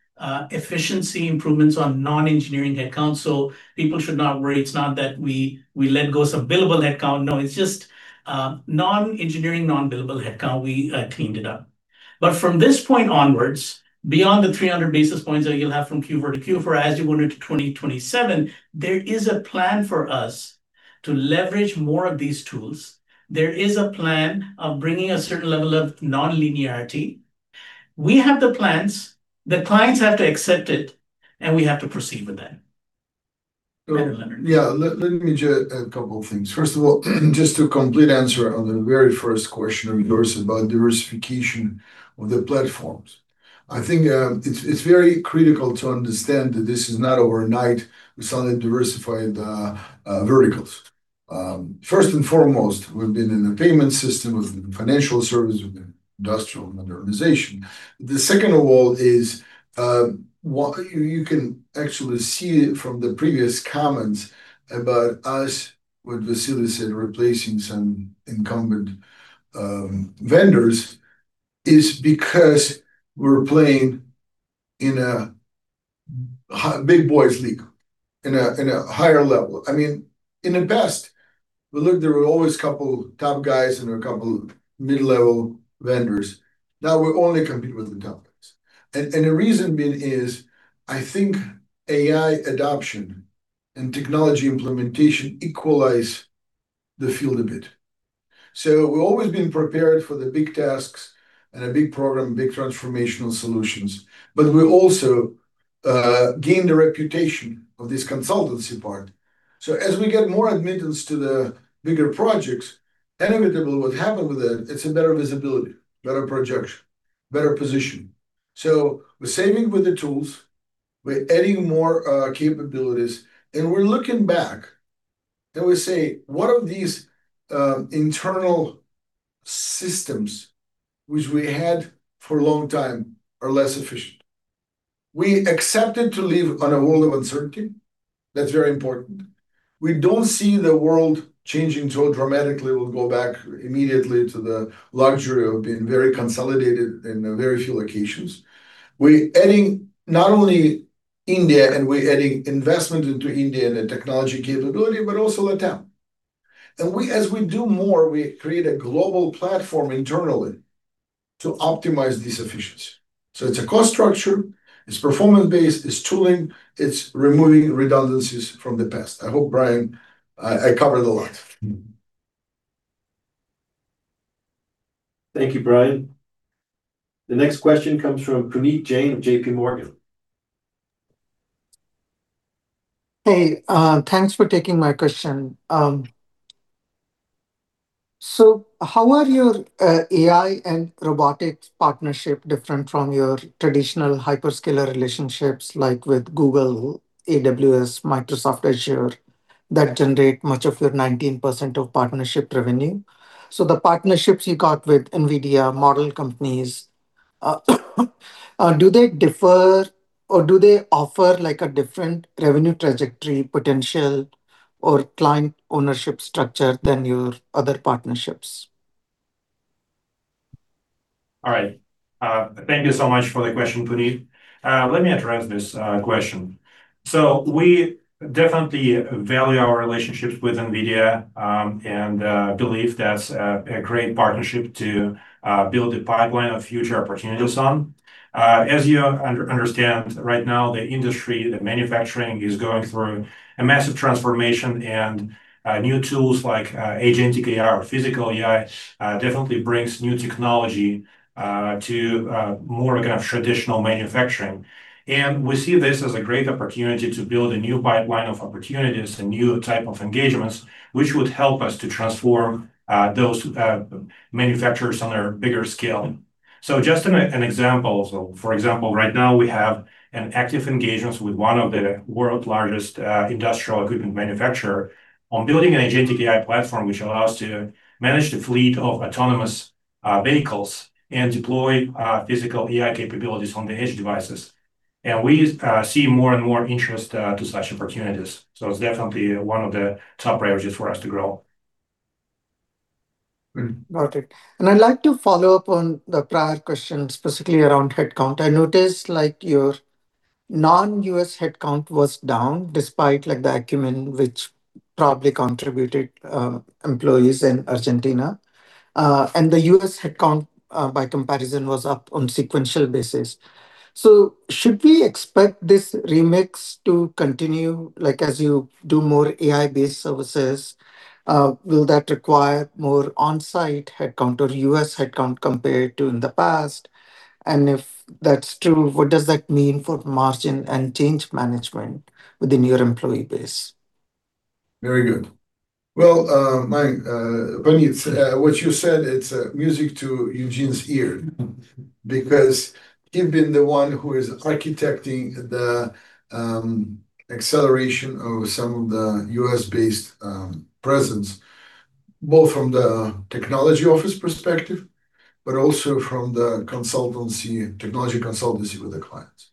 efficiency improvements on non-engineering headcount. People should not worry. It's not that we let go some billable headcount. No, it's just non-engineering, non-billable headcount. We cleaned it up. From this point onwards, beyond the 300 basis points that you'll have from Q4-to-Q4 as you go into 2027, there is a plan for us to leverage more of these tools. There is a plan of bringing a certain level of non-linearity. We have the plans. The clients have to accept it, and we have to proceed with that. Go ahead, Leonard. Yeah. Let me share a couple of things. First of all, just to complete answer on the very first question of yours about diversification of the platforms. I think it's very critical to understand that this is not overnight we suddenly diversified verticals. First and foremost, we've been in the payment system, we've been in financial service, we've been industrial modernization. The second of all is, you can actually see from the previous comments about us, what Vasily said, replacing some incumbent vendors is because we're playing in a big boys league, in a higher level. In the past, there were always couple top guys and a couple mid-level vendors. Now we only compete with the top guys. The reason being is, I think AI adoption and technology implementation equalize the field a bit. We've always been prepared for the big tasks and a big program, big transformational solutions. We also gained a reputation of this consultancy part. As we get more admittance to the bigger projects, inevitably, what happen with that, it's a better visibility, better projection, better position. We're saving with the tools, we're adding more capabilities, and we're looking back and we say, "What of these internal systems which we had for a long time are less efficient?" We accepted to live on a world of uncertainty. That's very important. We don't see the world changing so dramatically, we'll go back immediately to the luxury of being very consolidated in a very few locations. We adding not only India, and we adding investment into India and the technology capability, but also LatAm. As we do more, we create a global platform internally to optimize this efficiency. It's a cost structure, it's performance-based, it's tooling, it's removing redundancies from the past. I hope, Bryan, I covered a lot. Thank you, Bryan. The next question comes from Puneet Jain of JPMorgan. Hey, thanks for taking my question. How are your AI and robotics partnership different from your traditional hyperscaler relationships like with Google, AWS, Microsoft Azure, that generate much of your 19% of partnership revenue? The partnerships you got with NVIDIA, model companies, do they differ or do they offer a different revenue trajectory potential or client ownership structure than your other partnerships? All right. Thank you so much for the question, Puneet. Let me address this question. We definitely value our relationships with NVIDIA, and believe that's a great partnership to build a pipeline of future opportunities on. As you understand, right now, the industry, the manufacturing is going through a massive transformation and new tools like agentic AI or physical AI definitely brings new technology to more traditional manufacturing. We see this as a great opportunity to build a new pipeline of opportunities, a new type of engagements which would help us to transform those manufacturers on a bigger scale. Just an example. For example, right now we have an active engagements with one of the world's largest industrial equipment manufacturer on building an agentic AI platform which allows to manage the fleet of autonomous vehicles and deploy physical AI capabilities on the edge devices. We see more and more interest to such opportunities. It's definitely one of the top priorities for us to grow. Got it. I'd like to follow up on the prior question, specifically around headcount. I noticed your non-U.S. headcount was down despite the Ekumen, which probably contributed employees in Argentina. The U.S. headcount, by comparison, was up on sequential basis. Should we expect this remix to continue as you do more AI-based services? Will that require more on-site headcount or U.S. headcount compared to in the past? If that's true, what does that mean for margin and change management within your employee base? Very good. Puneet, what you said, it's music to Eugene's ear because he's been the one who is architecting the acceleration of some of the U.S.-based presence, both from the technology office perspective, but also from the technology consultancy with the clients.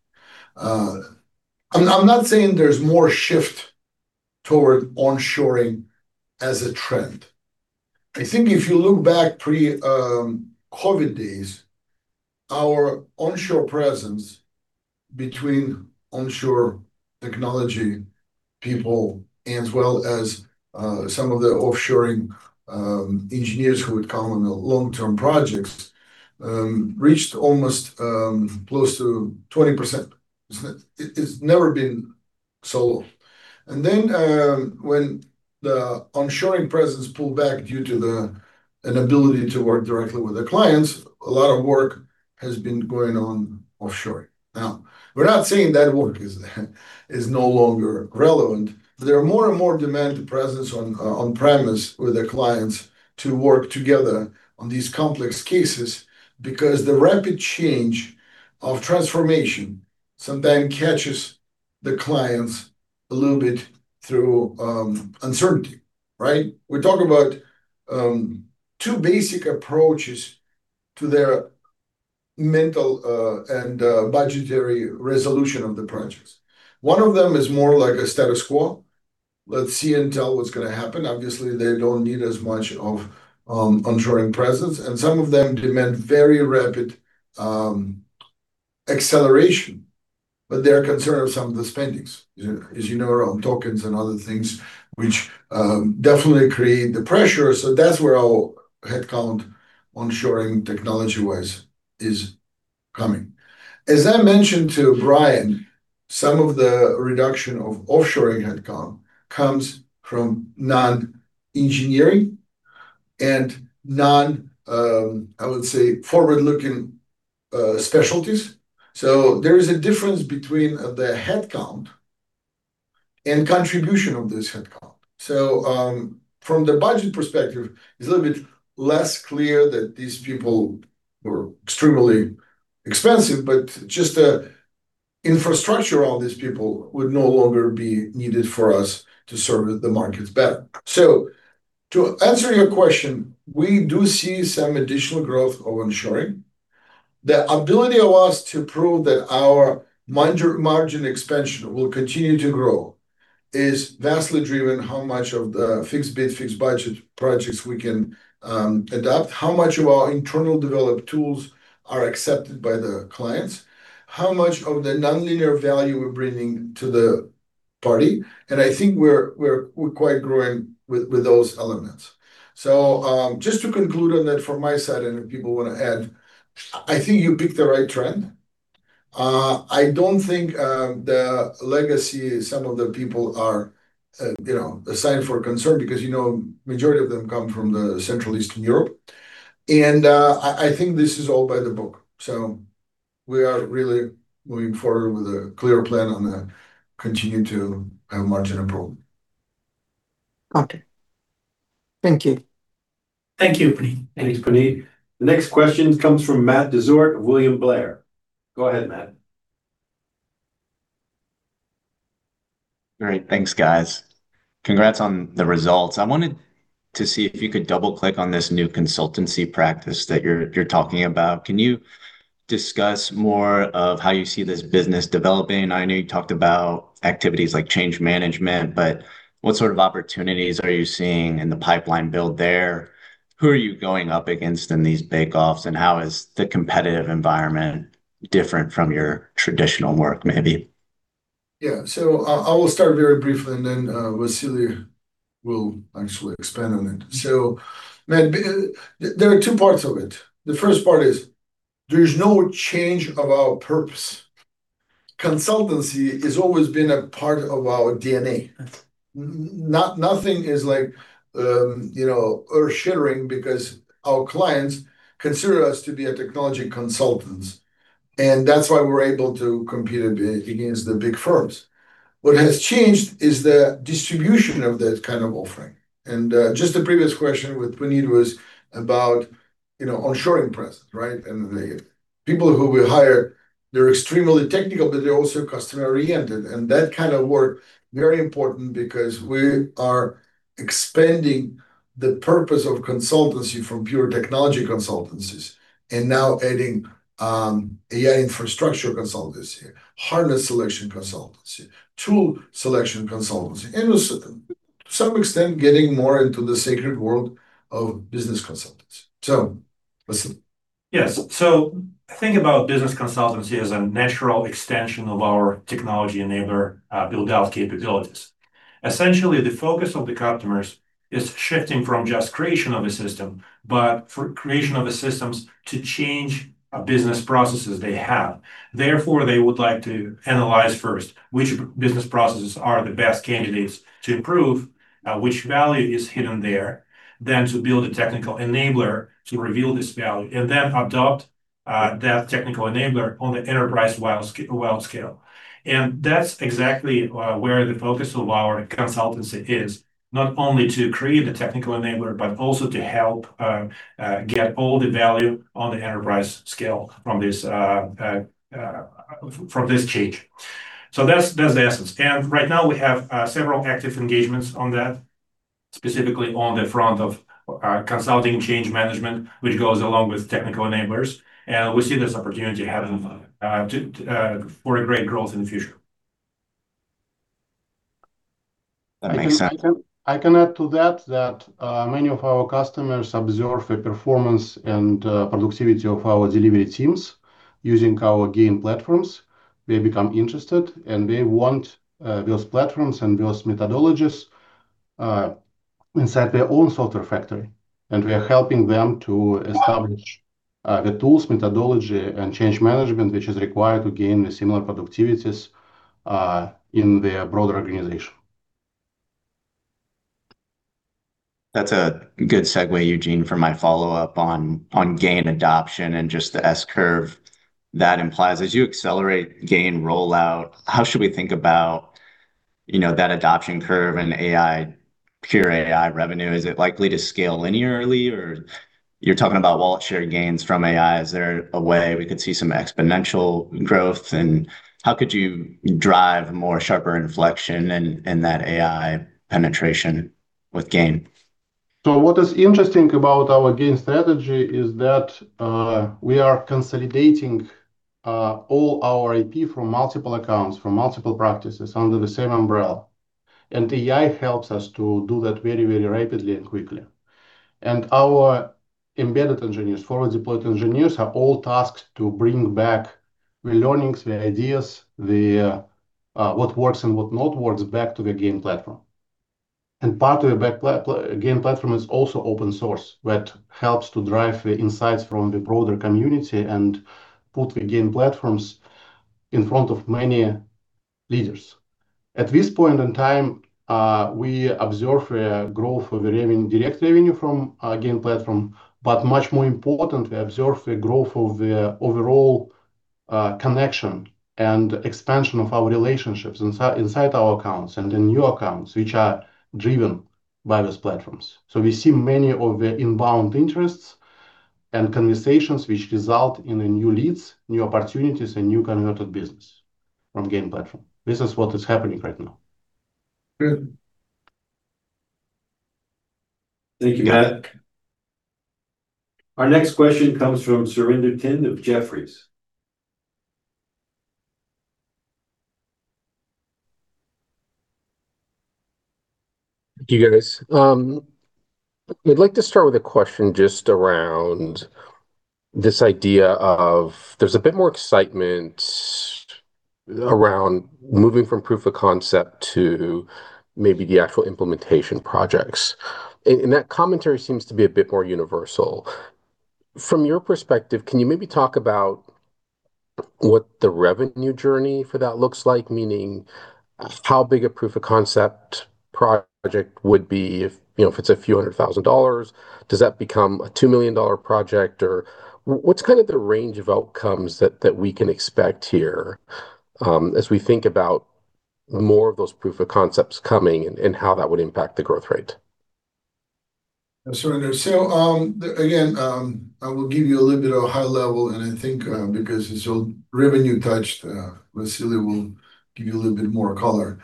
I'm not saying there's more shift toward onshoring as a trend. I think if you look back pre-COVID days, our onshore presence between onshore technology people and as well as some of the offshoring engineers who would come on long-term projects, reached almost close to 20%. It's never been so low. When the onshoring presence pulled back due to an ability to work directly with the clients, a lot of work has been going on offshoring. We're not saying that work is no longer relevant, but there are more and more demand to presence on premise with the clients to work together on these complex cases because the rapid change of transformation sometimes catches the clients a little bit through uncertainty, right? We talk about two basic approaches to their mental and budgetary resolution of the projects. One of them is more like a status quo. Let's see and tell what's going to happen. They don't need as much of onshoring presence, and some of them demand very rapid acceleration, but they're concerned with some of the spendings, as you know, around tokens and other things which definitely create the pressure. That's where our headcount onshoring technology-wise is coming. As I mentioned to Bryan, some of the reduction of offshoring headcount comes from non-engineering and non, I would say, forward-looking specialties. There is a difference between the headcount and contribution of this headcount. From the budget perspective, it's a little bit less clear that these people were extremely expensive, but just the infrastructure of all these people would no longer be needed for us to serve the markets better. To answer your question, we do see some additional growth of onshoring. The ability of us to prove that our margin expansion will continue to grow is vastly driven how much of the fixed bid, fixed budget projects we can adapt, how much of our internal developed tools are accepted by the clients, how much of the nonlinear value we're bringing to the party, and I think we're quite growing with those elements. Just to conclude on that from my side, and if people want to add, I think you picked the right trend. I don't think the legacy some of the people are a sign for concern because majority of them come from the Central Eastern Europe. I think this is all by the book. We are really moving forward with a clear plan on continue to have margin improvement. Got it. Thank you. Thank you, Puneet. Thanks, Puneet. The next question comes from Matt Dezort of William Blair. Go ahead, Matt. Great. Thanks, guys. Congrats on the results. I wanted to see if you could double-click on this new consultancy practice that you're talking about. Can you discuss more of how you see this business developing? I know you talked about activities like change management, but what sort of opportunities are you seeing in the pipeline build there? Who are you going up against in these bake-offs, and how is the competitive environment different from your traditional work, maybe? Yeah. I will start very briefly, and then Vasily will actually expand on it. Matt, there are two parts of it. The first part is there's no change of our purpose. Consultancy has always been a part of our DNA. Nothing is earth-shattering because our clients consider us to be a technology consultants, and that's why we're able to compete against the big firms. What has changed is the distribution of that kind of offering. Just the previous question with Puneet was about onshoring presence, right? People who we hire, they're extremely technical, but they're also customer-oriented. That kind of work, very important because we are expanding the purpose of consultancy from pure technology consultancies, and now adding, AI infrastructure consultancies, hardware selection consultancy, tool selection consultancy, and to some extent getting more into the sacred world of business consultancy. Listen. Yes. Think about business consultancy as a natural extension of our technology enabler build-out capabilities. Essentially, the focus of the customers is shifting from just creation of a system, but for creation of a systems to change business processes they have. Therefore, they would like to analyze first which business processes are the best candidates to improve, which value is hidden there, then to build a technical enabler to reveal this value, and then adopt that technical enabler on the enterprise wide scale. That's exactly where the focus of our consultancy is, not only to create the technical enabler, but also to help get all the value on the enterprise scale from this change. That's the essence. Right now we have several active engagements on that, specifically on the front of consulting change management, which goes along with technical enablers, and we see this opportunity ahead of for a great growth in the future. That makes sense. I can add to that many of our customers observe a performance and productivity of our delivery teams using our GAIN platforms. They become interested, and they want those platforms and those methodologies inside their own software factory, and we are helping them to establish the tools, methodology, and change management, which is required to GAIN the similar productivities in their broader organization. That's a good segue, Eugene, for my follow-up on GAIN adoption and just the S-curve that implies. As you accelerate GAIN rollout, how should we think about that adoption curve and pure AI revenue? Is it likely to scale linearly, or you're talking about wallet share gains from AI, is there a way we could see some exponential growth, and how could you drive a more sharper inflection in that AI penetration with GAIN? What is interesting about our GAIN strategy is that we are consolidating all our IP from multiple accounts, from multiple practices under the same umbrella, and AI helps us to do that very, very rapidly and quickly. Our embedded engineers, forward-deployed engineers, are all tasked to bring back the learnings, the ideas, what works and what not works back to the GAIN platform. Part of the GAIN platform is also open source that helps to drive the insights from the broader community and put the GAIN platforms in front of many leaders. At this point in time, we observe a growth of the direct revenue from our GAIN platform, but much more important, we observe a growth of the overall connection and expansion of our relationships inside our accounts and the new accounts, which are driven by these platforms. We see many of the inbound interests and conversations which result in new leads, new opportunities, and new converted business from GAIN platform. This is what is happening right now. Good. Thank you, guys. Our next question comes from Surinder Thind of Jefferies. Thank you, guys. I'd like to start with a question just around this idea of there's a bit more excitement around moving from proof of concept to maybe the actual implementation projects. That commentary seems to be a bit more universal. From your perspective, can you maybe talk about what the revenue journey for that looks like? Meaning how big a proof of concept project would be if it's a few hundred thousand dollars, does that become a $2 million project, or what's kind of the range of outcomes that we can expect here as we think about more of those proof of concepts coming and how that would impact the growth rate? Surinder. Again, I will give you a little bit of a high level, and I think because it's all revenue touched, Vasily will give you a little bit more color.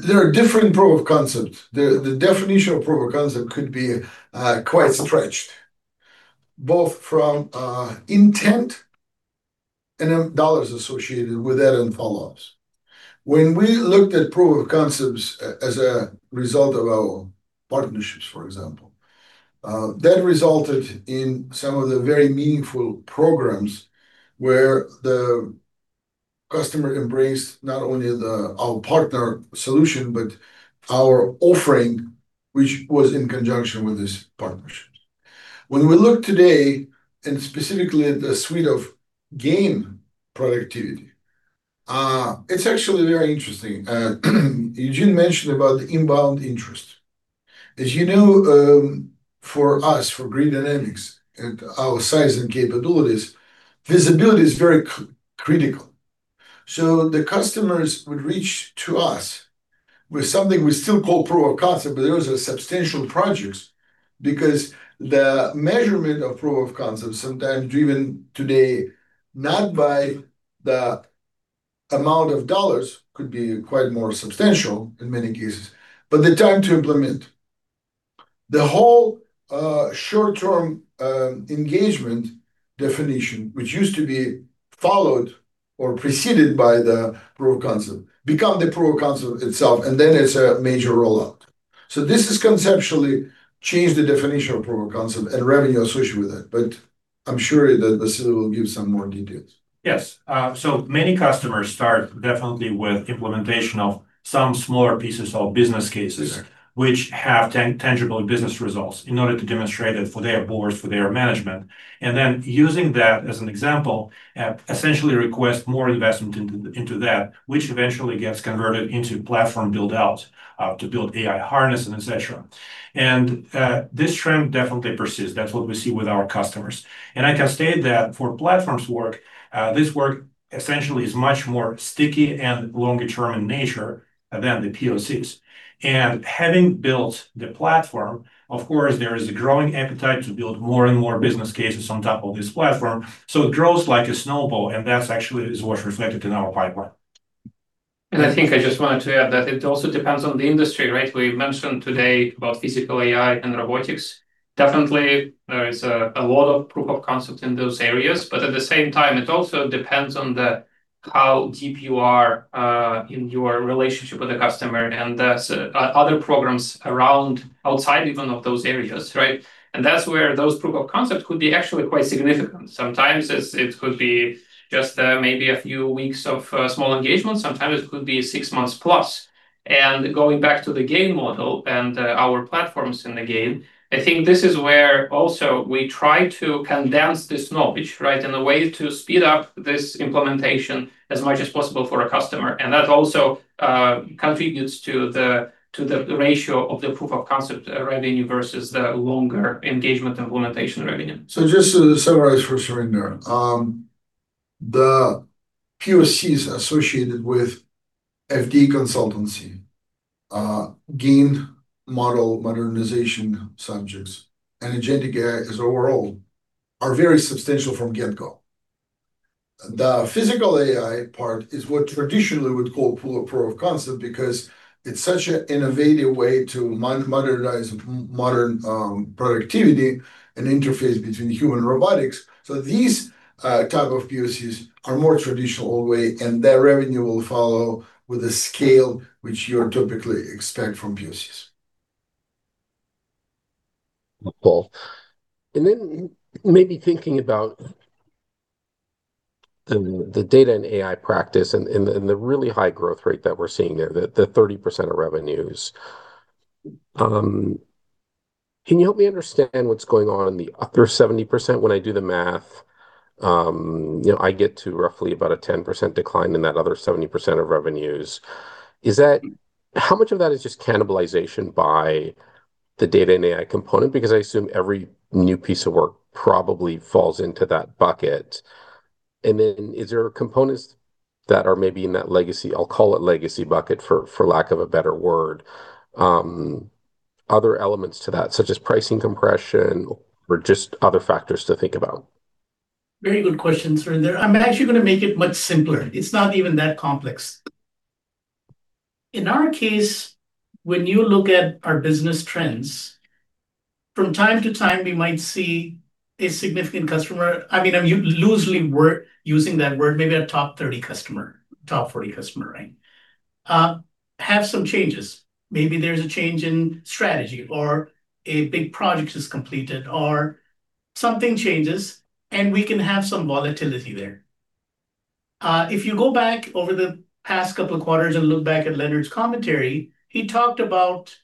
There are different proof of concept. The definition of proof of concept could be quite stretched, both from intent and then dollars associated with that and follow-ups. When we looked at proof of concepts as a result of our partnerships, for example, that resulted in some of the very meaningful programs where the customer embraced not only our partner solution, but our offering, which was in conjunction with these partnerships. When we look today and specifically at the suite of GAIN productivity, it's actually very interesting. Eugene mentioned about inbound interest. As you know, for us, for Grid Dynamics and our size and capabilities, visibility is very critical. The customers would reach to us with something we still call proof of concept, but those are substantial projects because the measurement of proof of concept, sometimes driven today not by the amount of dollars, could be quite more substantial in many cases, but the time to implement. The whole short-term engagement definition, which used to be followed or preceded by the proof of concept, become the proof of concept itself, and then it's a major rollout. This has conceptually changed the definition of proof of concept and revenue associated with it, but I'm sure that Vasily will give some more details. Yes. Many customers start definitely with implementation of some smaller pieces of business cases. Which have tangible business results in order to demonstrate it for their boards, for their management, and then using that as an example, essentially request more investment into that, which eventually gets converted into platform build-out, to build AI harness and et cetera. This trend definitely persists. That's what we see with our customers. I can state that for platforms work, this work essentially is much more sticky and longer-term in nature than the POCs. Having built the platform, of course, there is a growing appetite to build more and more business cases on top of this platform, so it grows like a snowball, and that actually is what's reflected in our pipeline. I think I just wanted to add that it also depends on the industry, right? We've mentioned today about physical AI and robotics. Definitely there is a lot of proof of concept in those areas, but at the same time, it also depends on how deep you are in your relationship with the customer and other programs around, outside even of those areas, right? That's where those proof of concept could be actually quite significant. Sometimes it could be just maybe a few weeks of small engagement, sometimes it could be six months plus. Going back to the GAIN model and our platforms in the GAIN, I think this is where also we try to condense this knowledge, right, and a way to speed up this implementation as much as possible for a customer. That also contributes to the ratio of the proof of concept revenue versus the longer engagement implementation revenue. Just to summarize for Surinder. The POCs associated with FDE consultancy, GAIN model modernization subjects, and agentic AI as overall are very substantial from GetGo. The physical AI part is what traditionally would call proof of concept because it's such an innovative way to modernize modern productivity and interface between human robotics. These type of POCs are more traditional way, and their revenue will follow with the scale which you would typically expect from POCs. Cool. Then maybe thinking about the data and AI practice and the really high growth rate that we're seeing there, the 30% of revenues. Can you help me understand what's going on in the other 70%? When I do the math, I get to roughly about a 10% decline in that other 70% of revenues. How much of that is just cannibalization by the data and AI component? Because I assume every new piece of work probably falls into that bucket. Then is there components that are maybe in that legacy, I'll call it legacy bucket for lack of a better word, other elements to that, such as pricing compression or just other factors to think about? Very good question, Surinder. I'm actually going to make it much simpler. It's not even that complex. In our case, when you look at our business trends, from time to time we might see a significant customer, I'm loosely using that word, maybe a top 30 customer, top 40 customer, right, have some changes. Maybe there's a change in strategy or a big project is completed or something changes, and we can have some volatility there. If you go back over the past couple of quarters and look back at Leonard's commentary, he talked about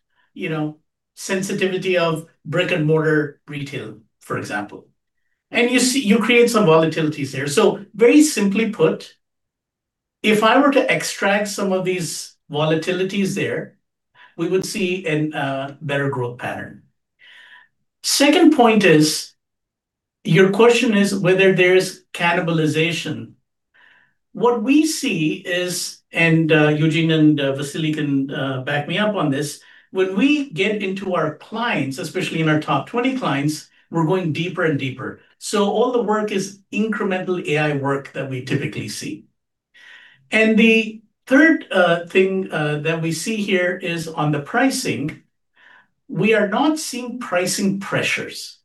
sensitivity of brick-and-mortar retail, for example. You create some volatilities there. Very simply put, if I were to extract some of these volatilities there, we would see a better growth pattern. Second point is, your question is whether there is cannibalization. What we see is, Eugene and Vasily can back me up on this, when we get into our clients, especially in our top 20 clients, we're going deeper and deeper. All the work is incremental AI work that we typically see. The third thing that we see here is on the pricing. We are not seeing pricing pressures.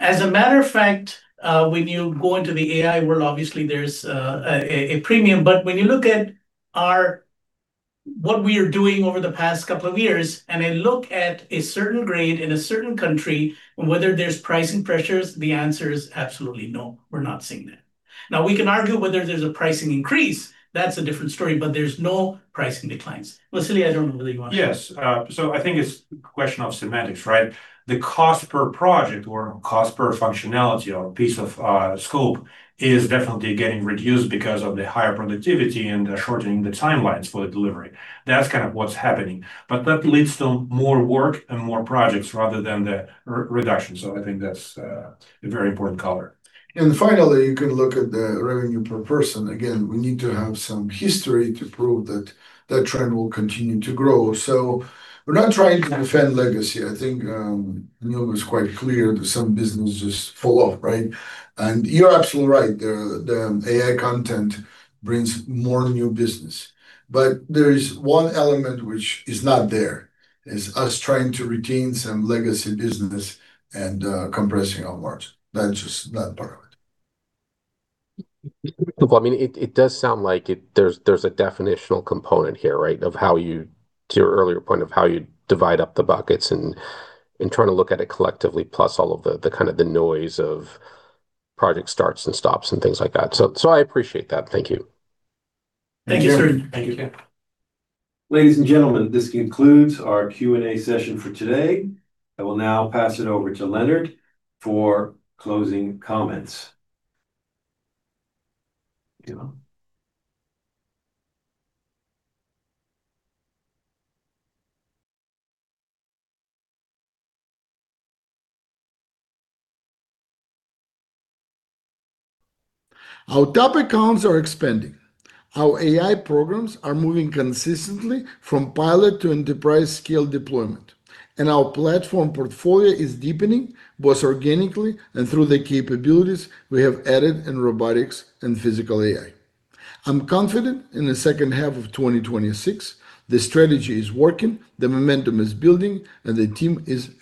As a matter of fact, when you go into the AI world, obviously there's a premium. When you look at what we are doing over the past couple of years, and I look at a certain grade in a certain country, and whether there's pricing pressures, the answer is absolutely no. We're not seeing that. Now, we can argue whether there's a pricing increase. That's a different story, but there's no pricing declines. Vasily, I don't know whether you want to. Yes. I think it's a question of semantics, right? The cost per project or cost per functionality or piece of scope is definitely getting reduced because of the higher productivity and shortening the timelines for the delivery. That's kind of what's happening. That leads to more work and more projects rather than the reduction. I think that's a very important color. Finally, you can look at the revenue per person. Again, we need to have some history to prove that that trend will continue to grow. We're not trying to defend legacy. I think Anil was quite clear that some businesses fall off, right? You're absolutely right. The AI content brings more new business. There is one element which is not there, is us trying to retain some legacy business and compressing our margin. That's just not part of it. Cool. It does sound like there's a definitional component here, right? To your earlier point of how you divide up the buckets and trying to look at it collectively, plus all of the noise of project starts and stops and things like that. I appreciate that. Thank you. Thank you, sir. Thank you. Ladies and gentlemen, this concludes our Q&A session for today. I will now pass it over to Leonard for closing comments. Leonard? Our top accounts are expanding. Our AI programs are moving consistently from pilot to enterprise scale deployment, and our platform portfolio is deepening both organically and through the capabilities we have added in robotics and physical AI. I'm confident in the second half of 2026, the strategy is working, the momentum is building.